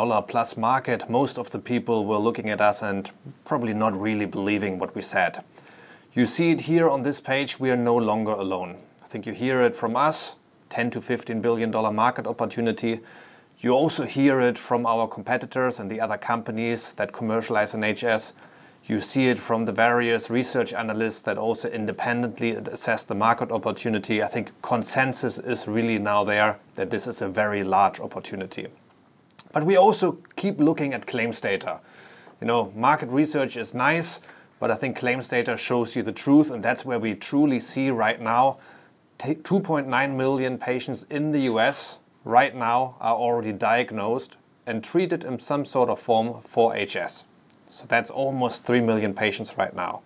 market, most of the people were looking at us and probably not really believing what we said. You see it here on this page. We are no longer alone. I think you hear it from us, $10 billion-$15 billion market opportunity. You also hear it from our competitors and the other companies that commercialize in HS. You see it from the various research analysts that also independently assess the market opportunity. I think consensus is really now there that this is a very large opportunity. We also keep looking at claims data. Market research is nice, but I think claims data shows you the truth, and that's where we truly see right now, 2.9 million patients in the U.S. right now are already diagnosed and treated in some sort of form for HS. That's almost 3 million patients right now.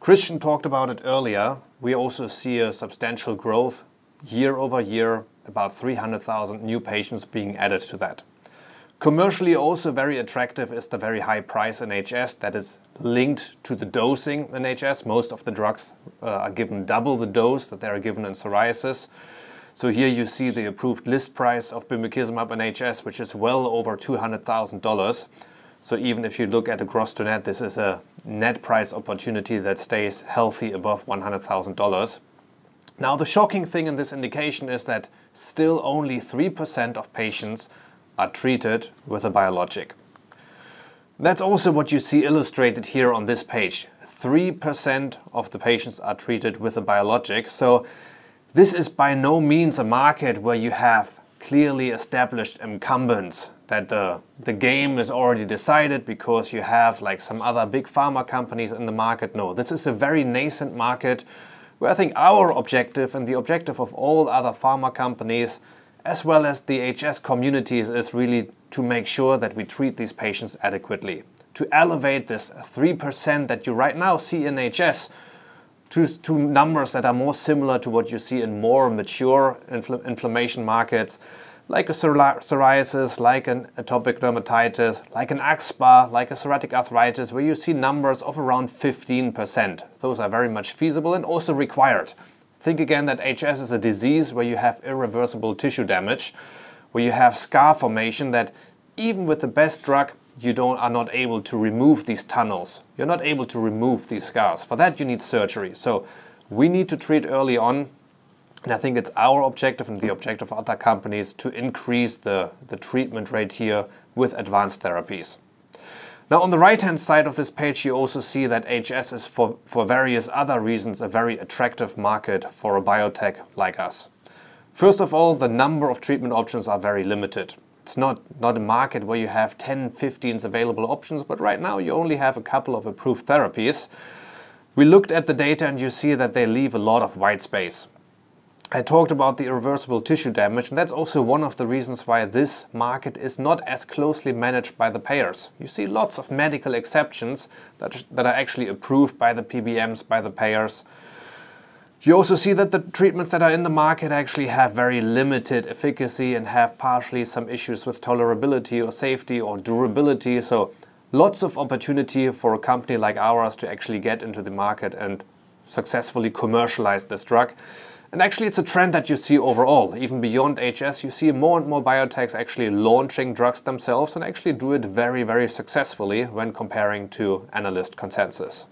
Kristian talked about it earlier. We also see a substantial growth year-over-year, about 300,000 new patients being added to that. Commercially also very attractive is the very high price in HS that is linked to the dosing in HS. Most of the drugs are given double the dose that they are given in psoriasis. Here you see the approved list price of bimekizumab in HS, which is well over $200,000. Even if you look at the gross to net, this is a net price opportunity that stays healthy above $100,000. Now, the shocking thing in this indication is that still only 3% of patients are treated with a biologic. That's also what you see illustrated here on this page. 3% of the patients are treated with a biologic. This is by no means a market where you have clearly established incumbents, that the game is already decided because you have some other big pharma companies in the market. No, this is a very nascent market where I think our objective and the objective of all other pharma companies, as well as the HS communities, is really to make sure that we treat these patients adequately. To elevate this 3% that you right now see in HS to numbers that are more similar to what you see in more mature inflammation markets like a psoriasis, like an atopic dermatitis, like an axSpA, like a psoriatic arthritis, where you see numbers of around 15%. Those are very much feasible and also required. Think again that HS is a disease where you have irreversible tissue damage, where you have scar formation, that even with the best drug, you are not able to remove these tunnels. You're not able to remove these scars. For that, you need surgery. We need to treat early on, and I think it's our objective and the objective of other companies to increase the treatment rate here with advanced therapies. On the right-hand side of this page, you also see that HS is, for various other reasons, a very attractive market for a biotech like us. First of all, the number of treatment options are very limited. It's not a market where you have 10, 15 available options, but right now you only have a couple of approved therapies. We looked at the data, and you see that they leave a lot of white space. I talked about the irreversible tissue damage, and that's also one of the reasons why this market is not as closely managed by the payers. You see lots of medical exceptions that are actually approved by the PBMs, by the payers. You also see that the treatments that are in the market actually have very limited efficacy and have partially some issues with tolerability or safety or durability. Lots of opportunity for a company like ours to actually get into the market and successfully commercialize this drug. Actually, it's a trend that you see overall. Even beyond HS, you see more and more biotechs actually launching drugs themselves and actually do it very successfully when comparing to analyst consensus.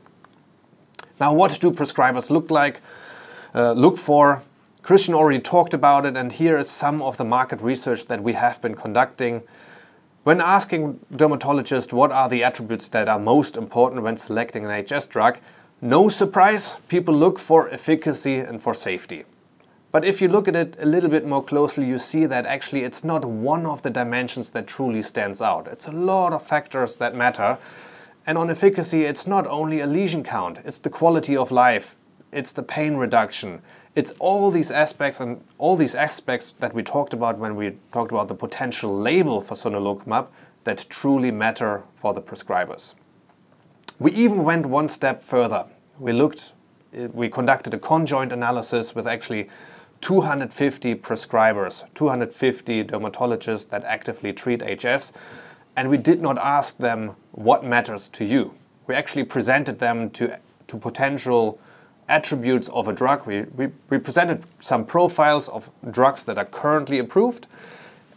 What do prescribers look for? Kristian already talked about it, and here is some of the market research that we have been conducting. When asking dermatologists what are the attributes that are most important when selecting an HS drug, no surprise, people look for efficacy and for safety. If you look at it a little bit more closely, you see that actually it's not one of the dimensions that truly stands out. It's a lot of factors that matter. On efficacy, it's not only a lesion count, it's the quality of life. It's the pain reduction. It's all these aspects that we talked about when we talked about the potential label for sonelokimab that truly matter for the prescribers. We even went one step further. We conducted a conjoint analysis with actually 250 prescribers, 250 dermatologists that actively treat HS, and we did not ask them, "What matters to you?" We actually presented them potential attributes of a drug. We presented some profiles of drugs that are currently approved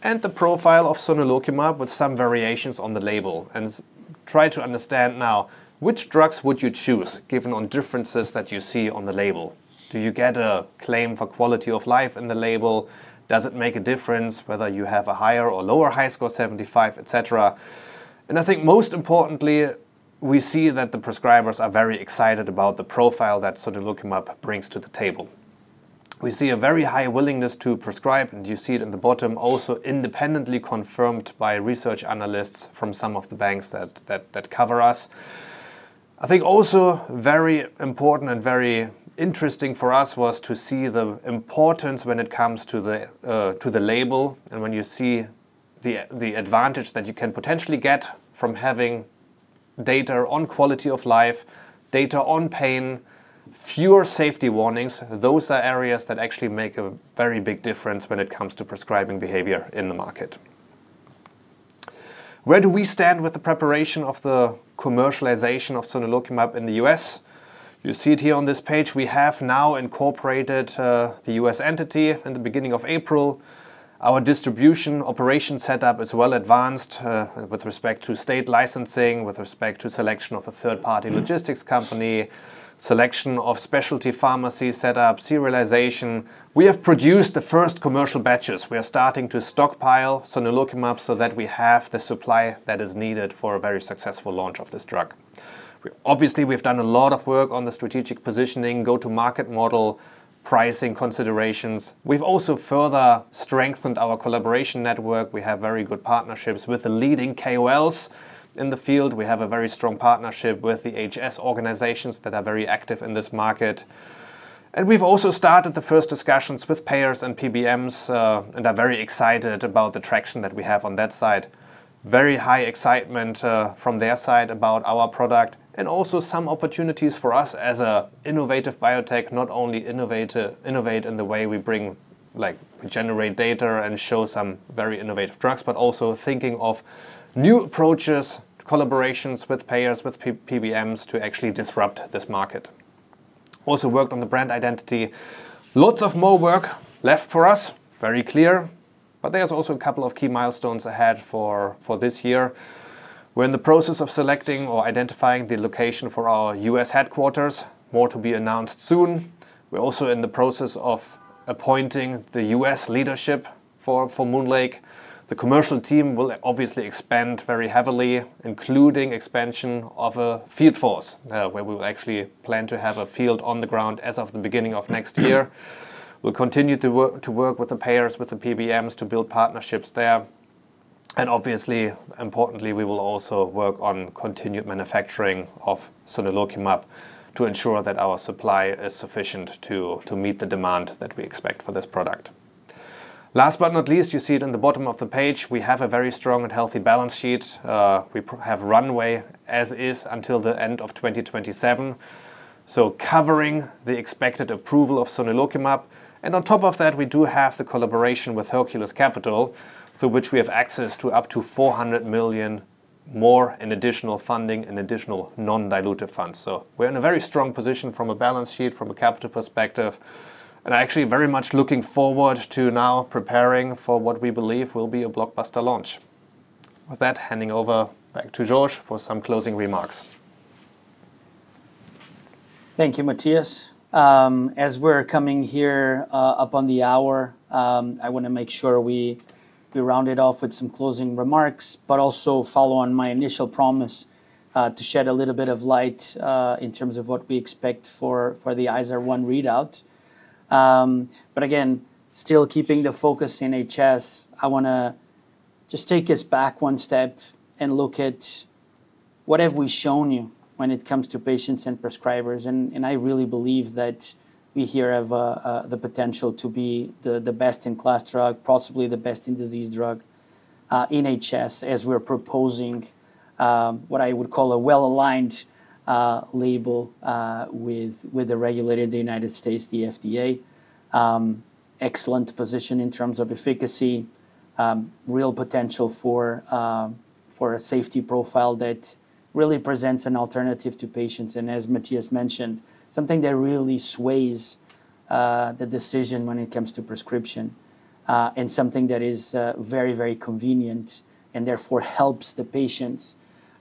and the profile of sonelokimab with some variations on the label, and try to understand now, which drugs would you choose given on differences that you see on the label? Do you get a claim for quality of life in the label? Does it make a difference whether you have a higher or lower HiSCR75, et cetera? I think most importantly, we see that the prescribers are very excited about the profile that sonelokimab brings to the table. We see a very high willingness to prescribe, and you see it in the bottom, also independently confirmed by research analysts from some of the banks that cover us. I think also very important and very interesting for us was to see the importance when it comes to the label and when you see the advantage that you can potentially get from having data on quality of life, data on pain, fewer safety warnings. Those are areas that actually make a very big difference when it comes to prescribing behavior in the market. Where do we stand with the preparation of the commercialization of sonelokimab in the U.S.? You see it here on this page. We have now incorporated the U.S. entity in the beginning of April. Our distribution operation set-up is well advanced with respect to state licensing, with respect to selection of a third-party logistics company, selection of specialty pharmacy set-up, serialization. We have produced the first commercial batches. We are starting to stockpile sonelokimab so that we have the supply that is needed for a very successful launch of this drug. We've done a lot of work on the strategic positioning, go-to-market model, pricing considerations. We've also further strengthened our collaboration network. We have very good partnerships with the leading KOLs in the field. We have a very strong partnership with the HS organizations that are very active in this market. We've also started the first discussions with payers and PBMs and are very excited about the traction that we have on that side. Very high excitement from their side about our product, also some opportunities for us as an innovative biotech, not only innovate in the way we generate data and show some very innovative drugs, but also thinking of new approaches, collaborations with payers, with PBMs to actually disrupt this market. Also worked on the brand identity. Lots of more work left for us, very clear. There's also a couple of key milestones ahead for this year. We're in the process of selecting or identifying the location for our U.S. headquarters. More to be announced soon. We're also in the process of appointing the U.S. leadership for MoonLake. The commercial team will obviously expand very heavily, including expansion of a field force, where we will actually plan to have a field on the ground as of the beginning of next year. We'll continue to work with the payers, with the PBMs to build partnerships there. Obviously, importantly, we will also work on continued manufacturing of sonelokimab to ensure that our supply is sufficient to meet the demand that we expect for this product. Last but not least, you see it on the bottom of the page, we have a very strong and healthy balance sheet. We have runway as is until the end of 2027, so covering the expected approval of sonelokimab. On top of that, we do have the collaboration with Hercules Capital, through which we have access to up to $400 million more in additional funding and additional non-dilutive funds. We're in a very strong position from a balance sheet, from a capital perspective, and actually very much looking forward to now preparing for what we believe will be a blockbuster launch. With that, handing over back to Jorge for some closing remarks. Thank you, Matthias. As we're coming here up on the hour, I want to make sure we round it off with some closing remarks, but also follow on my initial promise, to shed a little bit of light, in terms of what we expect for the IZAR-1 readout. Again, still keeping the focus in HS, I want to just take us back one step and look at what have we shown you when it comes to patients and prescribers. I really believe that we here have the potential to be the best-in-class drug, possibly the best-in-disease drug, in HS, as we're proposing what I would call a well-aligned label with the regulator in the United States, the FDA. Excellent position in terms of efficacy, real potential for a safety profile that really presents an alternative to patients. As Matthias mentioned, something that really sways the decision when it comes to prescription, and something that is very, very convenient, and therefore helps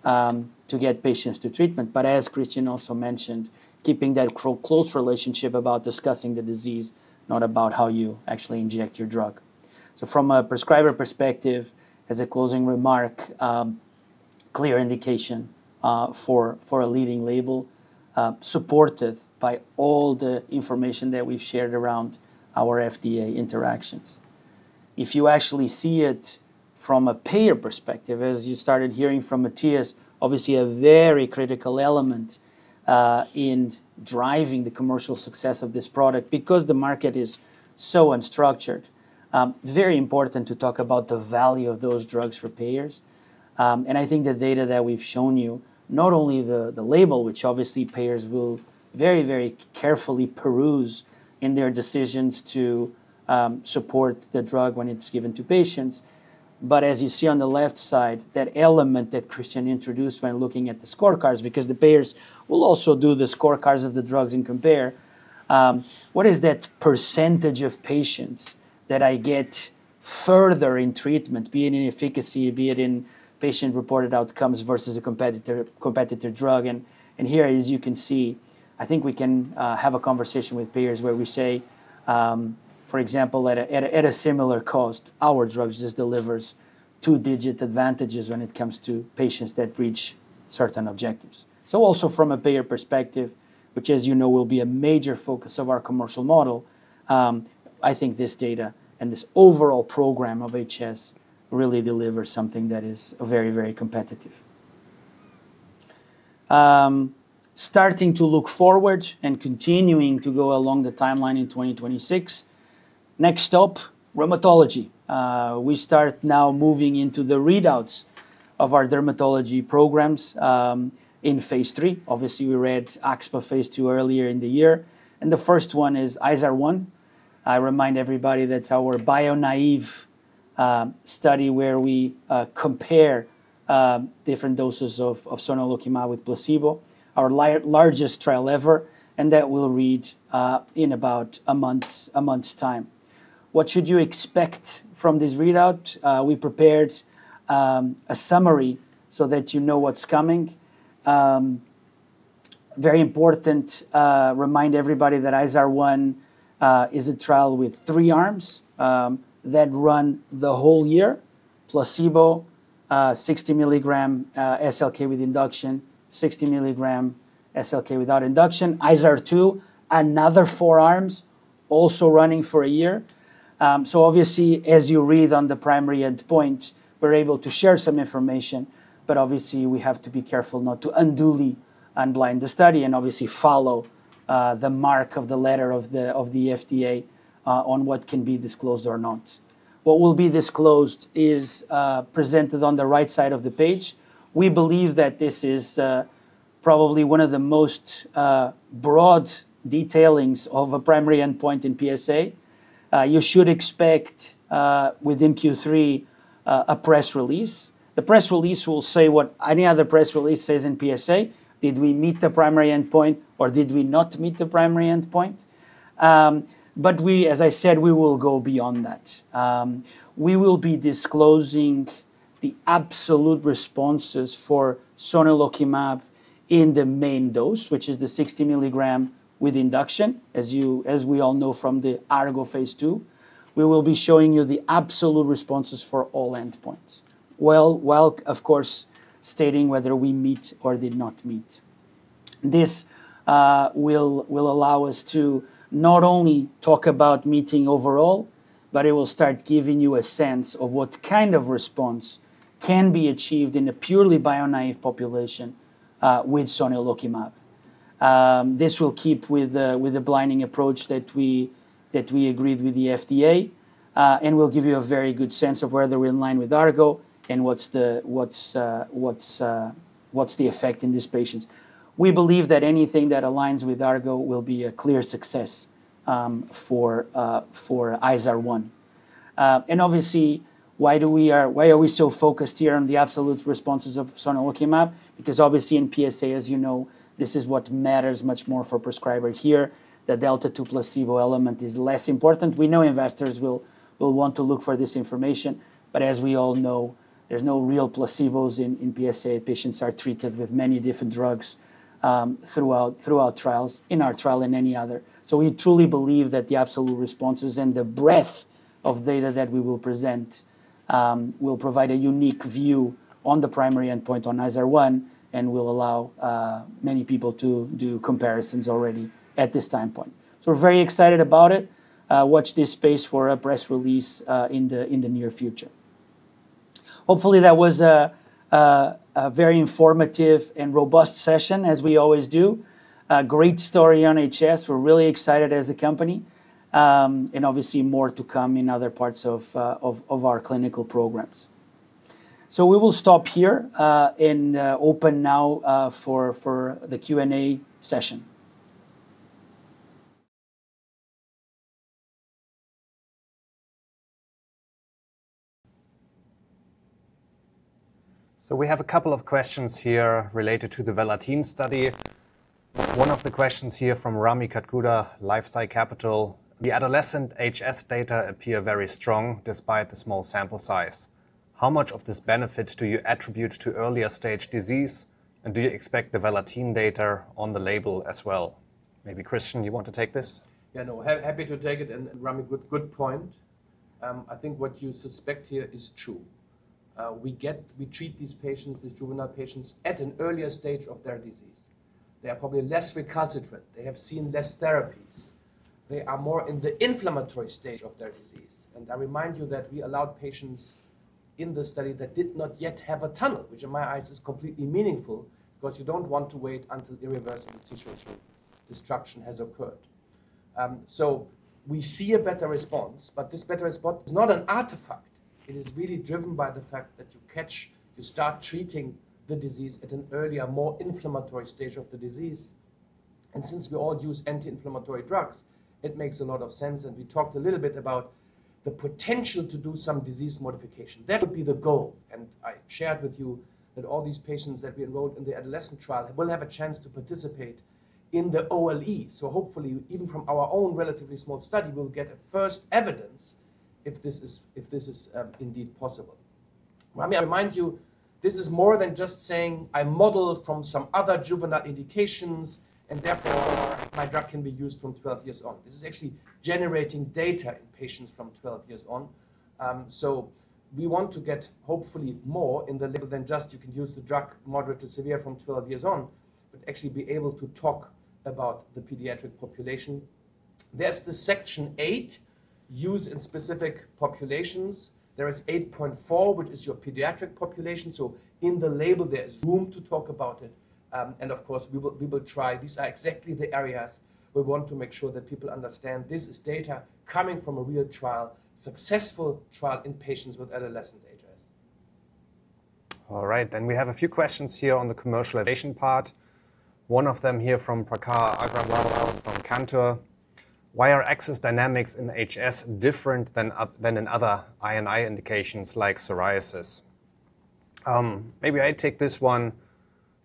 to get patients to treatment. As Kristian also mentioned, keeping that close relationship about discussing the disease, not about how you actually inject your drug. From a prescriber perspective, as a closing remark, clear indication for a leading label, supported by all the information that we've shared around our FDA interactions. If you actually see it from a payer perspective, as you started hearing from Matthias, obviously a very critical element in driving the commercial success of this product, because the market is so unstructured. Very important to talk about the value of those drugs for payers. I think the data that we've shown you, not only the label, which obviously payers will very carefully peruse in their decisions to support the drug when it's given to patients. As you see on the left side, that element that Kristian introduced when looking at the scorecards, because the payers will also do the scorecards of the drugs and compare. What is that percentage of patients that I get further in treatment, be it in efficacy, be it in patient-reported outcomes versus a competitor drug? Here, as you can see, I think we can have a conversation with payers where we say, for example, at a similar cost, our drugs just delivers two-digit advantages when it comes to patients that reach certain objectives. Also from a payer perspective, which as you know, will be a major focus of our commercial model, I think this data and this overall program of HS really delivers something that is very competitive. Starting to look forward and continuing to go along the timeline in 2026. Next stop, rheumatology. We start now moving into the readouts of our dermatology programs in phase III. Obviously, we read axSpA phase II earlier in the year. The first one is IZAR-1. I remind everybody that's our bio-naive study where we compare different doses of sonelokimab with placebo, our largest trial ever, and that we'll read in about a month's time. What should you expect from this readout? We prepared a summary so that you know what's coming. Very important, remind everybody that IZAR-1 is a trial with three arms that run the whole year, placebo, 60 mg SLK with induction, 60 mg SLK without induction. IZAR-2, another four arms, also running for a year. Obviously, as you read on the primary endpoint, we're able to share some information, but obviously we have to be careful not to unduly unblind the study and obviously follow the mark of the letter of the FDA on what can be disclosed or not. What will be disclosed is presented on the right side of the page. We believe that this is probably one of the broadest detailings of a primary endpoint in PSA. You should expect, within Q3, a press release. The press release will say what any other press release says in PSA. Did we meet the primary endpoint, or did we not meet the primary endpoint? As I said, we will go beyond that. We will be disclosing the absolute responses for sonelokimab in the main dose, which is the 60 mg with induction, as we all know from the ARGO phase II. We will be showing you the absolute responses for all endpoints, while of course stating whether we meet or did not meet. This will allow us to not only talk about meeting overall, but it will start giving you a sense of what kind of response can be achieved in a purely bio-naive population with sonelokimab. This will keep with the blinding approach that we agreed with the FDA, and will give you a very good sense of whether we're in line with ARGO and what's the effect in these patients. We believe that anything that aligns with ARGO will be a clear success for IZAR-1. Obviously, why are we so focused here on the absolute responses of sonelokimab? Because obviously in PSA, as you know, this is what matters much more for a prescriber here. The delta to placebo element is less important. We know investors will want to look for this information, but as we all know, there's no real placebos in PSA. Patients are treated with many different drugs throughout trials, in our trial and any other. We truly believe that the absolute responses and the breadth of data that we will present will provide a unique view on the primary endpoint on IZAR-1 and will allow many people to do comparisons already at this time point. We're very excited about it. Watch this space for a press release in the near future. Hopefully that was a very informative and robust session as we always do. A great story on HS. We're really excited as a company. Obviously more to come in other parts of our clinical programs. We will stop here, and open now for the Q&A session. We have a couple of questions here related to the VELA-TEEN study. One of the questions here from Rami Katkhuda, LifeSci Capital, "The adolescent HS data appear very strong despite the small sample size. How much of this benefit do you attribute to earlier stage disease, and do you expect the VELA-TEEN data on the label as well?" Maybe Kristian, you want to take this? Yeah, no, happy to take it. Rami, good point. I think what you suspect here is true. We treat these patients, these juvenile patients, at an earlier stage of their disease. They are probably less recalcitrant. They have seen less therapies. They are more in the inflammatory stage of their disease. I remind you that we allowed patients in the study that did not yet have a tunnel, which in my eyes is completely meaningful, because you don't want to wait until irreversible tissue destruction has occurred. We see a better response, but this better response is not an artifact. It is really driven by the fact that you catch, you start treating the disease at an earlier, more inflammatory stage of the disease. Since we all use anti-inflammatory drugs, it makes a lot of sense, and we talked a little bit about the potential to do some disease modification. That would be the goal. I shared with you that all these patients that we enrolled in the adolescent trial will have a chance to participate in the OLE. Hopefully, even from our own relatively small study, we'll get a first evidence if this is indeed possible. Rami, I remind you, this is more than just saying, "I model from some other juvenile indications, and therefore my drug can be used from 12 years on." This is actually generating data in patients from 12 years on. We want to get hopefully more in the label than just you can use the drug moderate to severe from 12 years on, but actually be able to talk about the pediatric population. There's section eight, use in specific populations. There is 8.4, which is your pediatric population, so in the label there is room to talk about it. Of course, we will try. These are exactly the areas we want to make sure that people understand. This is data coming from a real trial, successful trial in patients with adolescent HS. All right. We have a few questions here on the commercialization part. One of them here from Prakhar Agrawal from Cantor. "Why are access dynamics in HS different than in other I&I indications like psoriasis?" Maybe I take this one.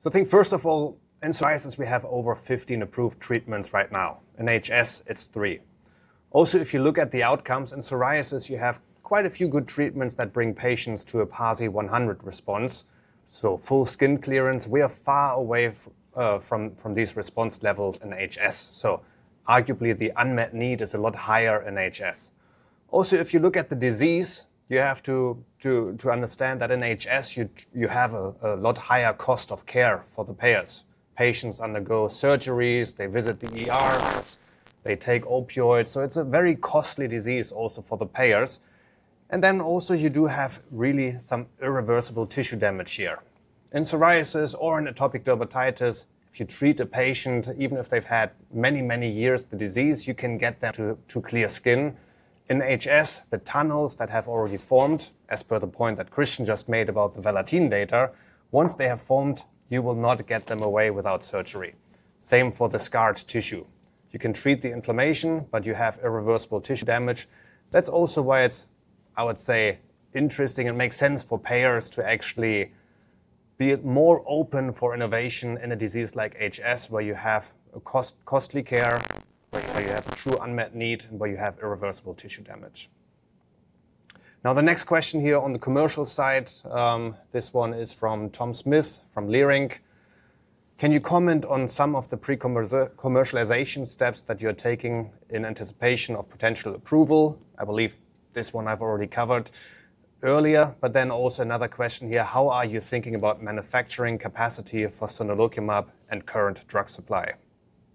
I think first of all, in psoriasis, we have over 15 approved treatments right now. In HS, it's three. If you look at the outcomes, in psoriasis, you have quite a few good treatments that bring patients to a PASI 100 response, so full skin clearance. We are far away from these response levels in HS, arguably the unmet need is a lot higher in HS. If you look at the disease, you have to understand that in HS, you have a lot higher cost of care for the payers. Patients undergo surgeries, they visit the ERs, they take opioids, it's a very costly disease also for the payers. Also, you do have really some irreversible tissue damage here. In psoriasis or in atopic dermatitis, if you treat a patient, even if they've had many, many years the disease, you can get them to clear skin. In HS, the tunnels that have already formed, as per the point that Kristian just made about the VELA-TEEN data, once they have formed, you will not get them away without surgery. Same for the scarred tissue. You can treat the inflammation, you have irreversible tissue damage. That's also why it's, I would say, interesting and makes sense for payers to actually be more open for innovation in a disease like HS where you have costly care, where you have a true unmet need, and where you have irreversible tissue damage. The next question here on the commercial side, this one is from Thomas Smith from Leerink. "Can you comment on some of the pre-commercialization steps that you're taking in anticipation of potential approval?" I believe this one I've already covered earlier, also another question here: "How are you thinking about manufacturing capacity for sonelokimab and current drug supply?"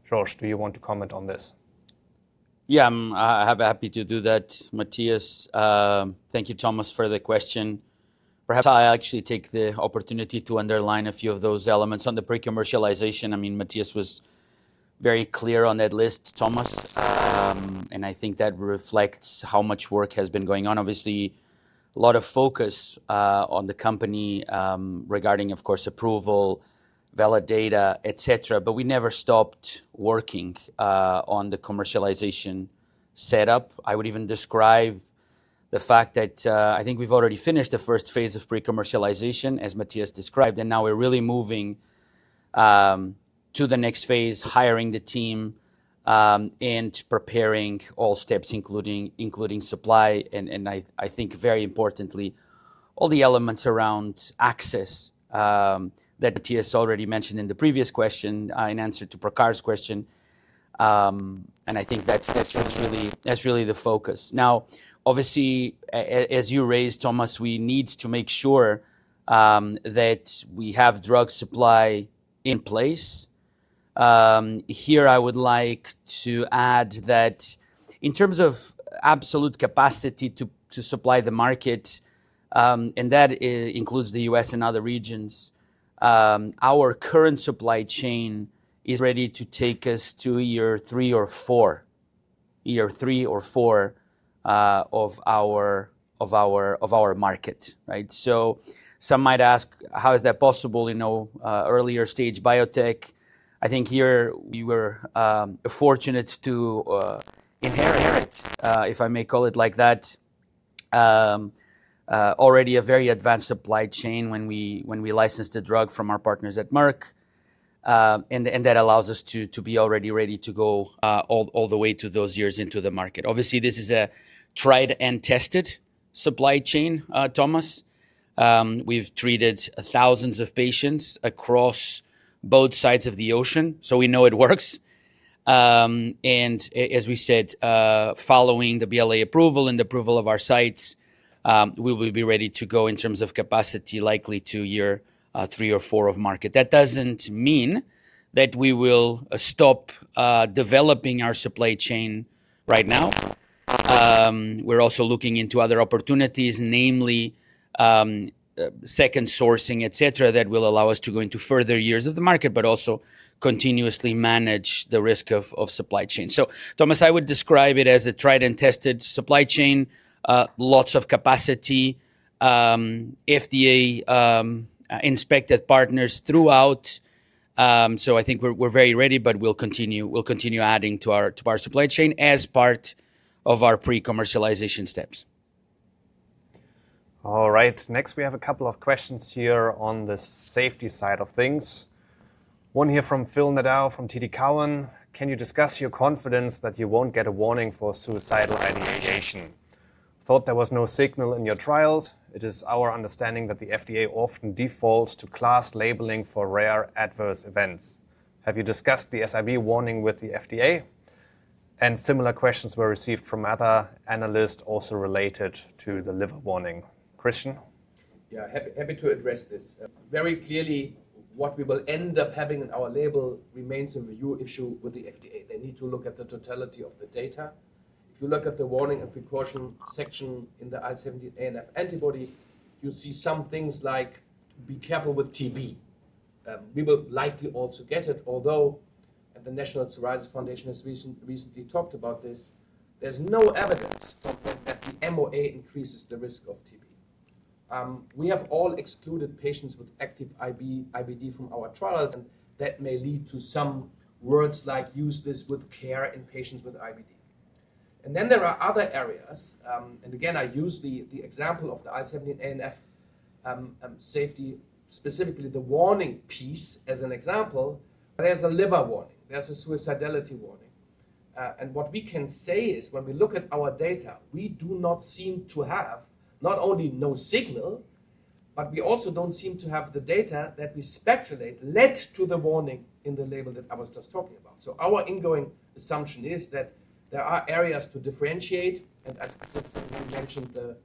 Jorge, do you want to comment on this? Yeah, I'm happy to do that, Matthias. Thank you, Thomas, for the question. Perhaps I actually take the opportunity to underline a few of those elements on the pre-commercialization. Matthias was very clear on that list, Thomas, and I think that reflects how much work has been going on. Obviously, a lot of focus on the company regarding, of course, approval, valid data, et cetera, but we never stopped working on the commercialization setup. I would even describe the fact that I think we've already finished the first phase of pre-commercialization, as Matthias described, and now we're really moving to the next phase, hiring the team, and preparing all steps, including supply and I think very importantly, all the elements around access that Matthias already mentioned in the previous question, in answer to Prakhar's question. I think that's really the focus. Obviously, as you raised, Thomas, we need to make sure that we have drug supply in place. Here I would like to add that in terms of absolute capacity to supply the market, and that includes the U.S. and other regions, our current supply chain is ready to take us to year three or four of our market. Right? Some might ask, how is that possible in an earlier-stage biotech? I think here we were fortunate to inherit, if I may call it like that, already a very advanced supply chain when we licensed the drug from our partners at Merck. That allows us to be already ready to go all the way to those years into the market. Obviously, this is a tried and tested supply chain, Thomas. We've treated thousands of patients across both sides of the ocean, so we know it works. As we said, following the BLA approval and approval of our sites, we will be ready to go in terms of capacity likely to year three or four of market. That doesn't mean that we will stop developing our supply chain right now. We're also looking into other opportunities, namely second sourcing, et cetera, that will allow us to go into further years of the market, but also continuously manage the risk of supply chain. Thomas, I would describe it as a tried and tested supply chain, lots of capacity, FDA-inspected partners throughout. I think we're very ready, but we'll continue adding to our supply chain as part of our pre-commercialization steps. All right. Next, we have a couple of questions here on the safety side of things. One here from Phil Nadeau from TD Cowen. Can you discuss your confidence that you won't get a warning for suicidal ideation? Thought there was no signal in your trials. It is our understanding that the FDA often defaults to class labeling for rare adverse events. Have you discussed the SIB warning with the FDA? Similar questions were received from other analysts also related to the liver warning. Kristian? Yeah, happy to address this. Very clearly what we will end up having in our label remains a review issue with the FDA. They need to look at the totality of the data. If you look at the warning and precaution section in the IL-17A and IL-17F antibody, you see some things like be careful with TB. We will likely also get it, although the National Psoriasis Foundation has recently talked about this, there's no evidence that the MOA increases the risk of TB. We have all excluded patients with active IBD from our trials, that may lead to some words like use this with care in patients with IBD. There are other areas, and again, I use the example of the IL-17A and IL-17F safety, specifically the warning piece as an example, but there's a liver warning, there's a suicidality warning. What we can say is when we look at our data, we do not seem to have not only no signal, but we also don't seem to have the data that we speculate led to the warning in the label that I was just talking about. Our ingoing assumption is that there are areas to differentiate, and as we mentioned, the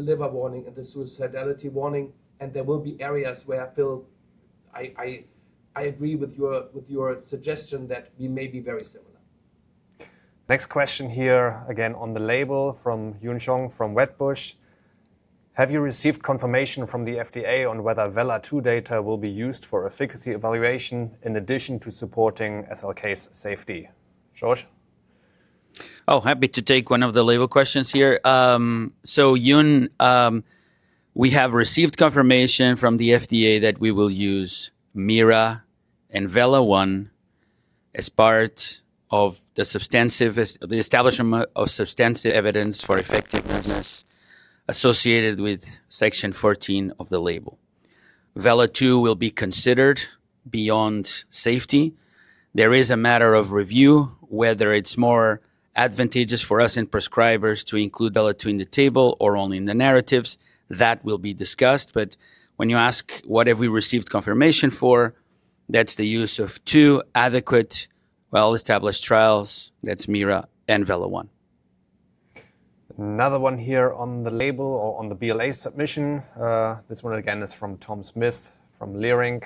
liver warning and the suicidality warning, and there will be areas where, Phil, I agree with your suggestion that we may be very similar. Next question here again on the label from Yun Zhong from Wedbush. Have you received confirmation from the FDA on whether VELA-2 data will be used for efficacy evaluation in addition to supporting SLK's safety? Jorge? Happy to take one of the label questions here. Yun, we have received confirmation from the FDA that we will use MIRA and VELA-1 as part of the establishment of substantive evidence for effectiveness associated with Section 14 of the label. VELA-2 will be considered beyond safety. There is a matter of review, whether it's more advantageous for us and prescribers to include VELA-2 in the table or only in the narratives. That will be discussed. When you ask what have we received confirmation for, that's the use of two adequate, well-established trials. That's MIRA and VELA-1. Another one here on the label or on the BLA submission. This one, again, is from Tom Smith from Leerink.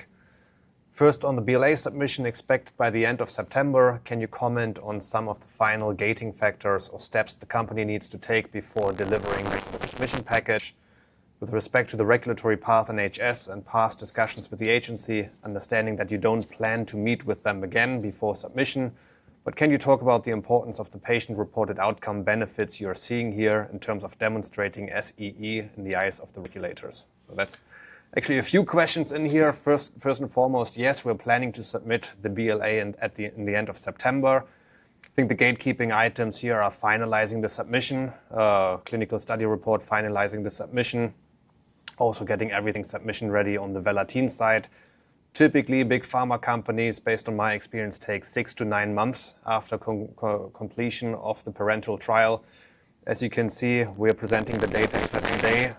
First, on the BLA submission expected by the end of September, can you comment on some of the final gating factors or steps the company needs to take before delivering their submission package with respect to the regulatory path in HS and past discussions with the agency, understanding that you don't plan to meet with them again before submission. Can you talk about the importance of the Patient-Reported Outcome benefits you're seeing here in terms of demonstrating SEE in the eyes of the regulators? That's actually a few questions in here. First and foremost, yes, we're planning to submit the BLA at the end of September. I think the gatekeeping items here are finalizing the submission, clinical study report, finalizing the submission, also getting everything submission-ready on the VELA-TEEN side. Typically, big pharma companies, based on my experience, take six to nine months after completion of the parental trial. As you can see, we are presenting the data today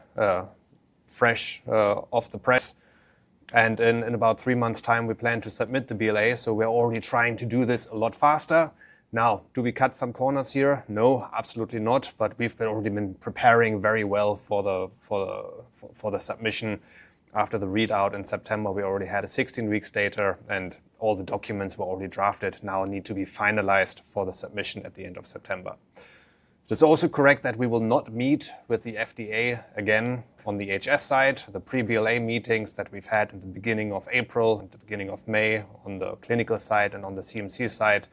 fresh off the press, and in about three months' time, we plan to submit the BLA, so we are already trying to do this a lot faster. Now, do we cut some corners here? No, absolutely not. We've already been preparing very well for the submission. After the readout in September, we already had a 16 weeks data, and all the documents were already drafted, now need to be finalized for the submission at the end of September. It's also correct that we will not meet with the FDA again on the HS side. The pre-BLA meetings that we've had at the beginning of April, at the beginning of May, on the clinical side and on the CMC side,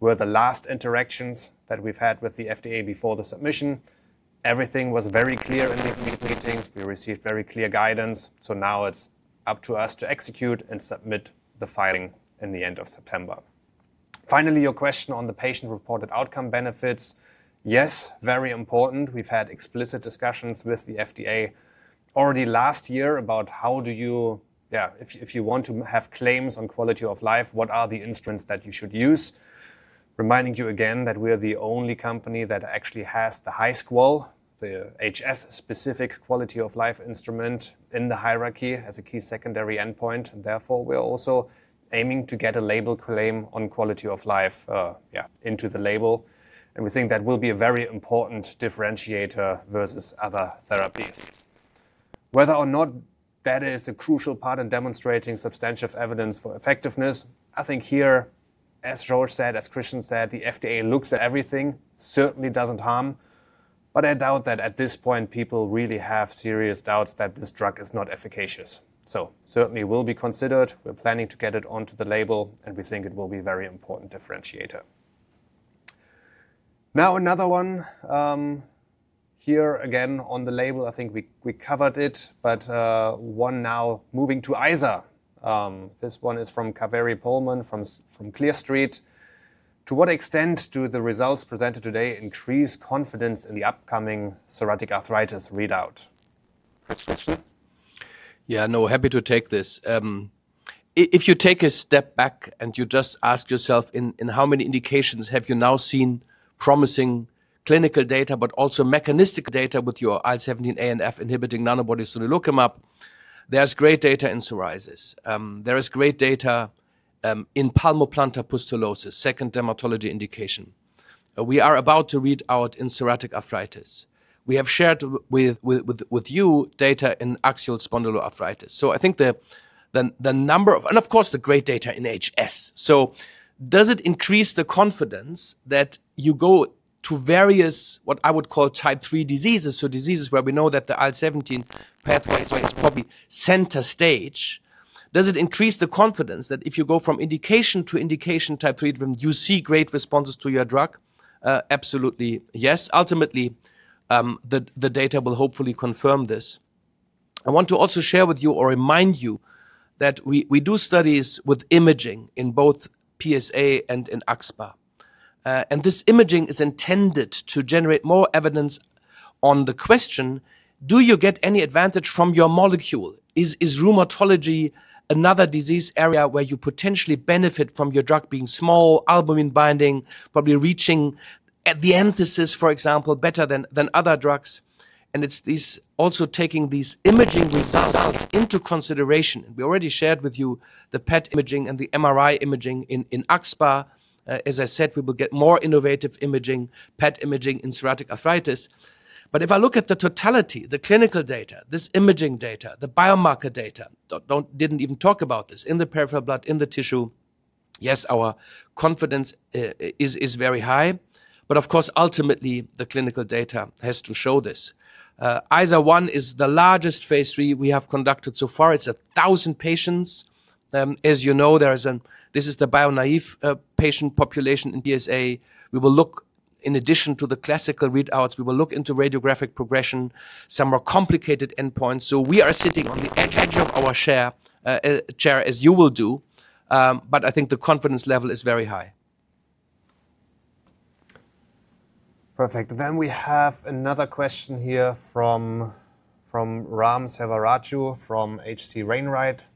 were the last interactions that we've had with the FDA before the submission. Everything was very clear in these meetings. We received very clear guidance, so now it's up to us to execute and submit the filing in the end of September. Finally, your question on the Patient-Reported Outcome benefits. Yes, very important. We've had explicit discussions with the FDA already last year about if you want to have claims on quality of life, what are the instruments that you should use. Reminding you again that we are the only company that actually has the HiSCR, the HS-specific quality-of-life instrument in the hierarchy as a key secondary endpoint. Therefore, we are also aiming to get a label claim on quality of life into the label. We think that will be a very important differentiator versus other therapies. Whether or not that is a crucial part in demonstrating substantial evidence for effectiveness, I think here, as Jorge said, as Kristian said, the FDA looks at everything, certainly doesn't harm, but I doubt that at this point, people really have serious doubts that this drug is not efficacious. Certainly will be considered. We're planning to get it onto the label, and we think it will be a very important differentiator. Now, another one. Here again on the label, I think we covered it, but one now moving to IZAR. This one is from Kaveri Pohlman from Clear Street. To what extent do the results presented today increase confidence in the upcoming psoriatic arthritis readout? Kristian. Happy to take this. If you take a step back and you just ask yourself in how many indications have you now seen promising clinical data, but also mechanistic data with your IL-17A and IL-17F inhibiting Nanobody sonelokimab, there's great data in psoriasis. There is great data in palmoplantar pustulosis, second dermatology indication. We are about to read out in psoriatic arthritis. We have shared with you data in Axial Spondyloarthritis. I think of course, the great data in HS. Does it increase the confidence that you go to various, what I would call type 3 diseases, so diseases where we know that the IL-17 pathway is probably center stage. Does it increase the confidence that if you go from indication to indication type treatment, you see great responses to your drug? Absolutely yes. Ultimately, the data will hopefully confirm this. I want to also share with you or remind you that we do studies with imaging in both PSA and in axSpA. This imaging is intended to generate more evidence on the question, do you get any advantage from your molecule? Is rheumatology another disease area where you potentially benefit from your drug being small, albumin binding, probably reaching at the enthesis, for example, better than other drugs. It's also taking these imaging results into consideration. We already shared with you the PET imaging and the MRI imaging in axSpA. As I said, we will get more innovative imaging, PET imaging in psoriatic arthritis. If I look at the totality, the clinical data, this imaging data, the biomarker data, didn't even talk about this, in the peripheral blood, in the tissue, yes, our confidence is very high. Of course, ultimately, the clinical data has to show this. IZAR-1 is the largest phase III we have conducted so far. It's 1,000 patients. As you know, this is the bio-naive patient population in PSA. In addition to the classical readouts, we will look into radiographic progression, some more complicated endpoints. We are sitting on the edge of our chair, as you will do. I think the confidence level is very high. Perfect. We have another question here from Ram Selvaraju from H.C. Wainwright.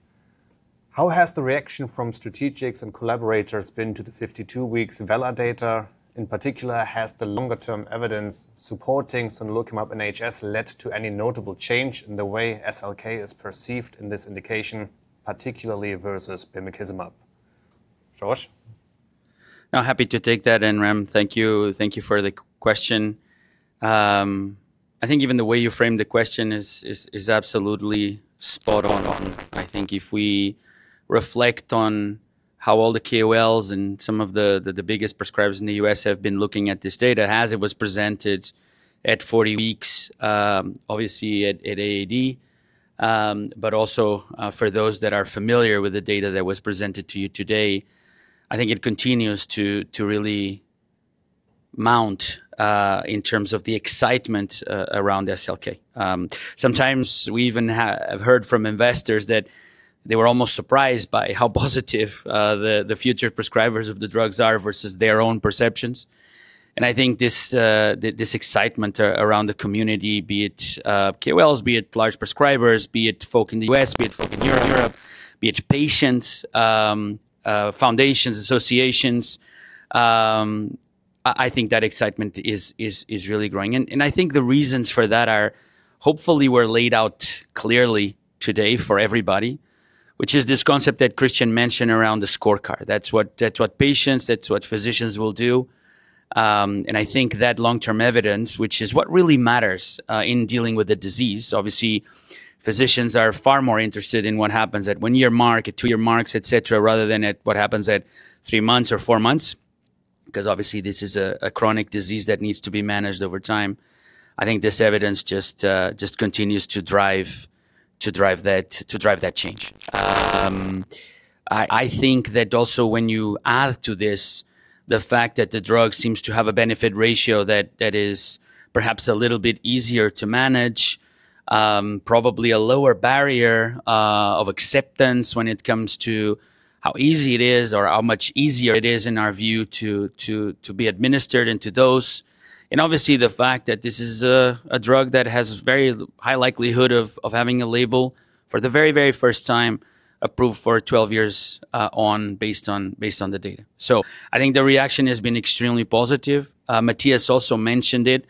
How has the reaction from strategics and collaborators been to the 52-week VELA data? In particular, has the longer-term evidence supporting sonelokimab in HS led to any notable change in the way SLK is perceived in this indication, particularly versus bimekizumab? Jorge? No, happy to take that. Ram, thank you. Thank you for the question. I think even the way you framed the question is absolutely spot on. I think if we reflect on how all the KOLs and some of the biggest prescribers in the U.S. have been looking at this data as it was presented at 40 weeks, obviously at AAD, but also for those that are familiar with the data that was presented to you today, I think it continues to really mount in terms of the excitement around SLK. Sometimes we even have heard from investors that they were almost surprised by how positive the future prescribers of the drugs are versus their own perceptions. I think this excitement around the community, be it KOLs, be it large prescribers, be it folk in the U.S., be it folk in Europe, be it patients, foundations, associations, I think that excitement is really growing. I think the reasons for that are hopefully were laid out clearly today for everybody, which is this concept that Kristian mentioned around the scorecard. That's what patients, that's what physicians will do. I think that long-term evidence, which is what really matters in dealing with the disease, obviously, physicians are far more interested in what happens at one-year mark, at two-year marks, et cetera, rather than at what happens at three months or four months, because obviously this is a chronic disease that needs to be managed over time. I think this evidence just continues to drive that change. I think that also when you add to this, the fact that the drug seems to have a benefit ratio that is perhaps a little bit easier to manage, probably a lower barrier of acceptance when it comes to how easy it is or how much easier it is in our view to be administered and to dose, the fact that this is a drug that has very high likelihood of having a label for the very first time approved for 12 years on based on the data. I think the reaction has been extremely positive. Matthias also mentioned it.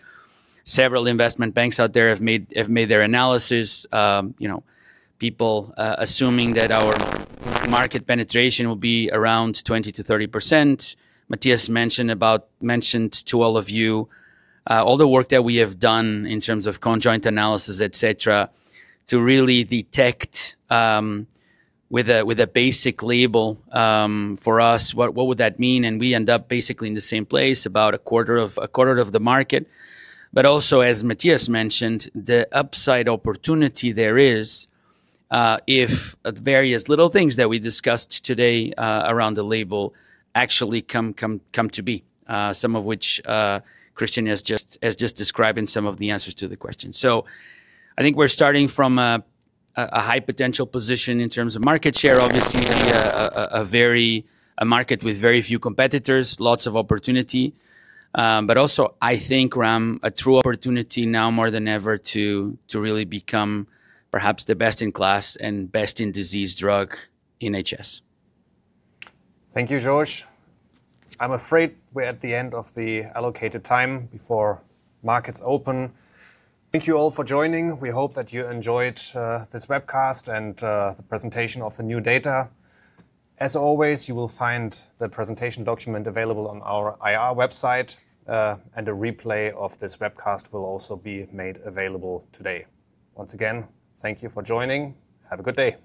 Several investment banks out there have made their analysis. People assuming that our market penetration will be around 20%-30%. Matthias mentioned to all of you all the work that we have done in terms of conjoint analysis, et cetera, to really detect with a basic label for us what would that mean, and we end up basically in the same place, about a quarter of the market. As Matthias mentioned, the upside opportunity there is if various little things that we discussed today around the label actually come to be, some of which Kristian has just described in some of the answers to the questions. I think we're starting from a high-potential position in terms of market share, obviously a market with very few competitors, lots of opportunity. Also, I think, Ram, a true opportunity now more than ever to really become perhaps the best-in-class and best-in-disease drug in HS. Thank you, Jorge. I'm afraid we're at the end of the allocated time before markets open. Thank you all for joining. We hope that you enjoyed this webcast and the presentation of the new data. As always, you will find the presentation document available on our IR website, and a replay of this webcast will also be made available today. Once again, thank you for joining. Have a good day.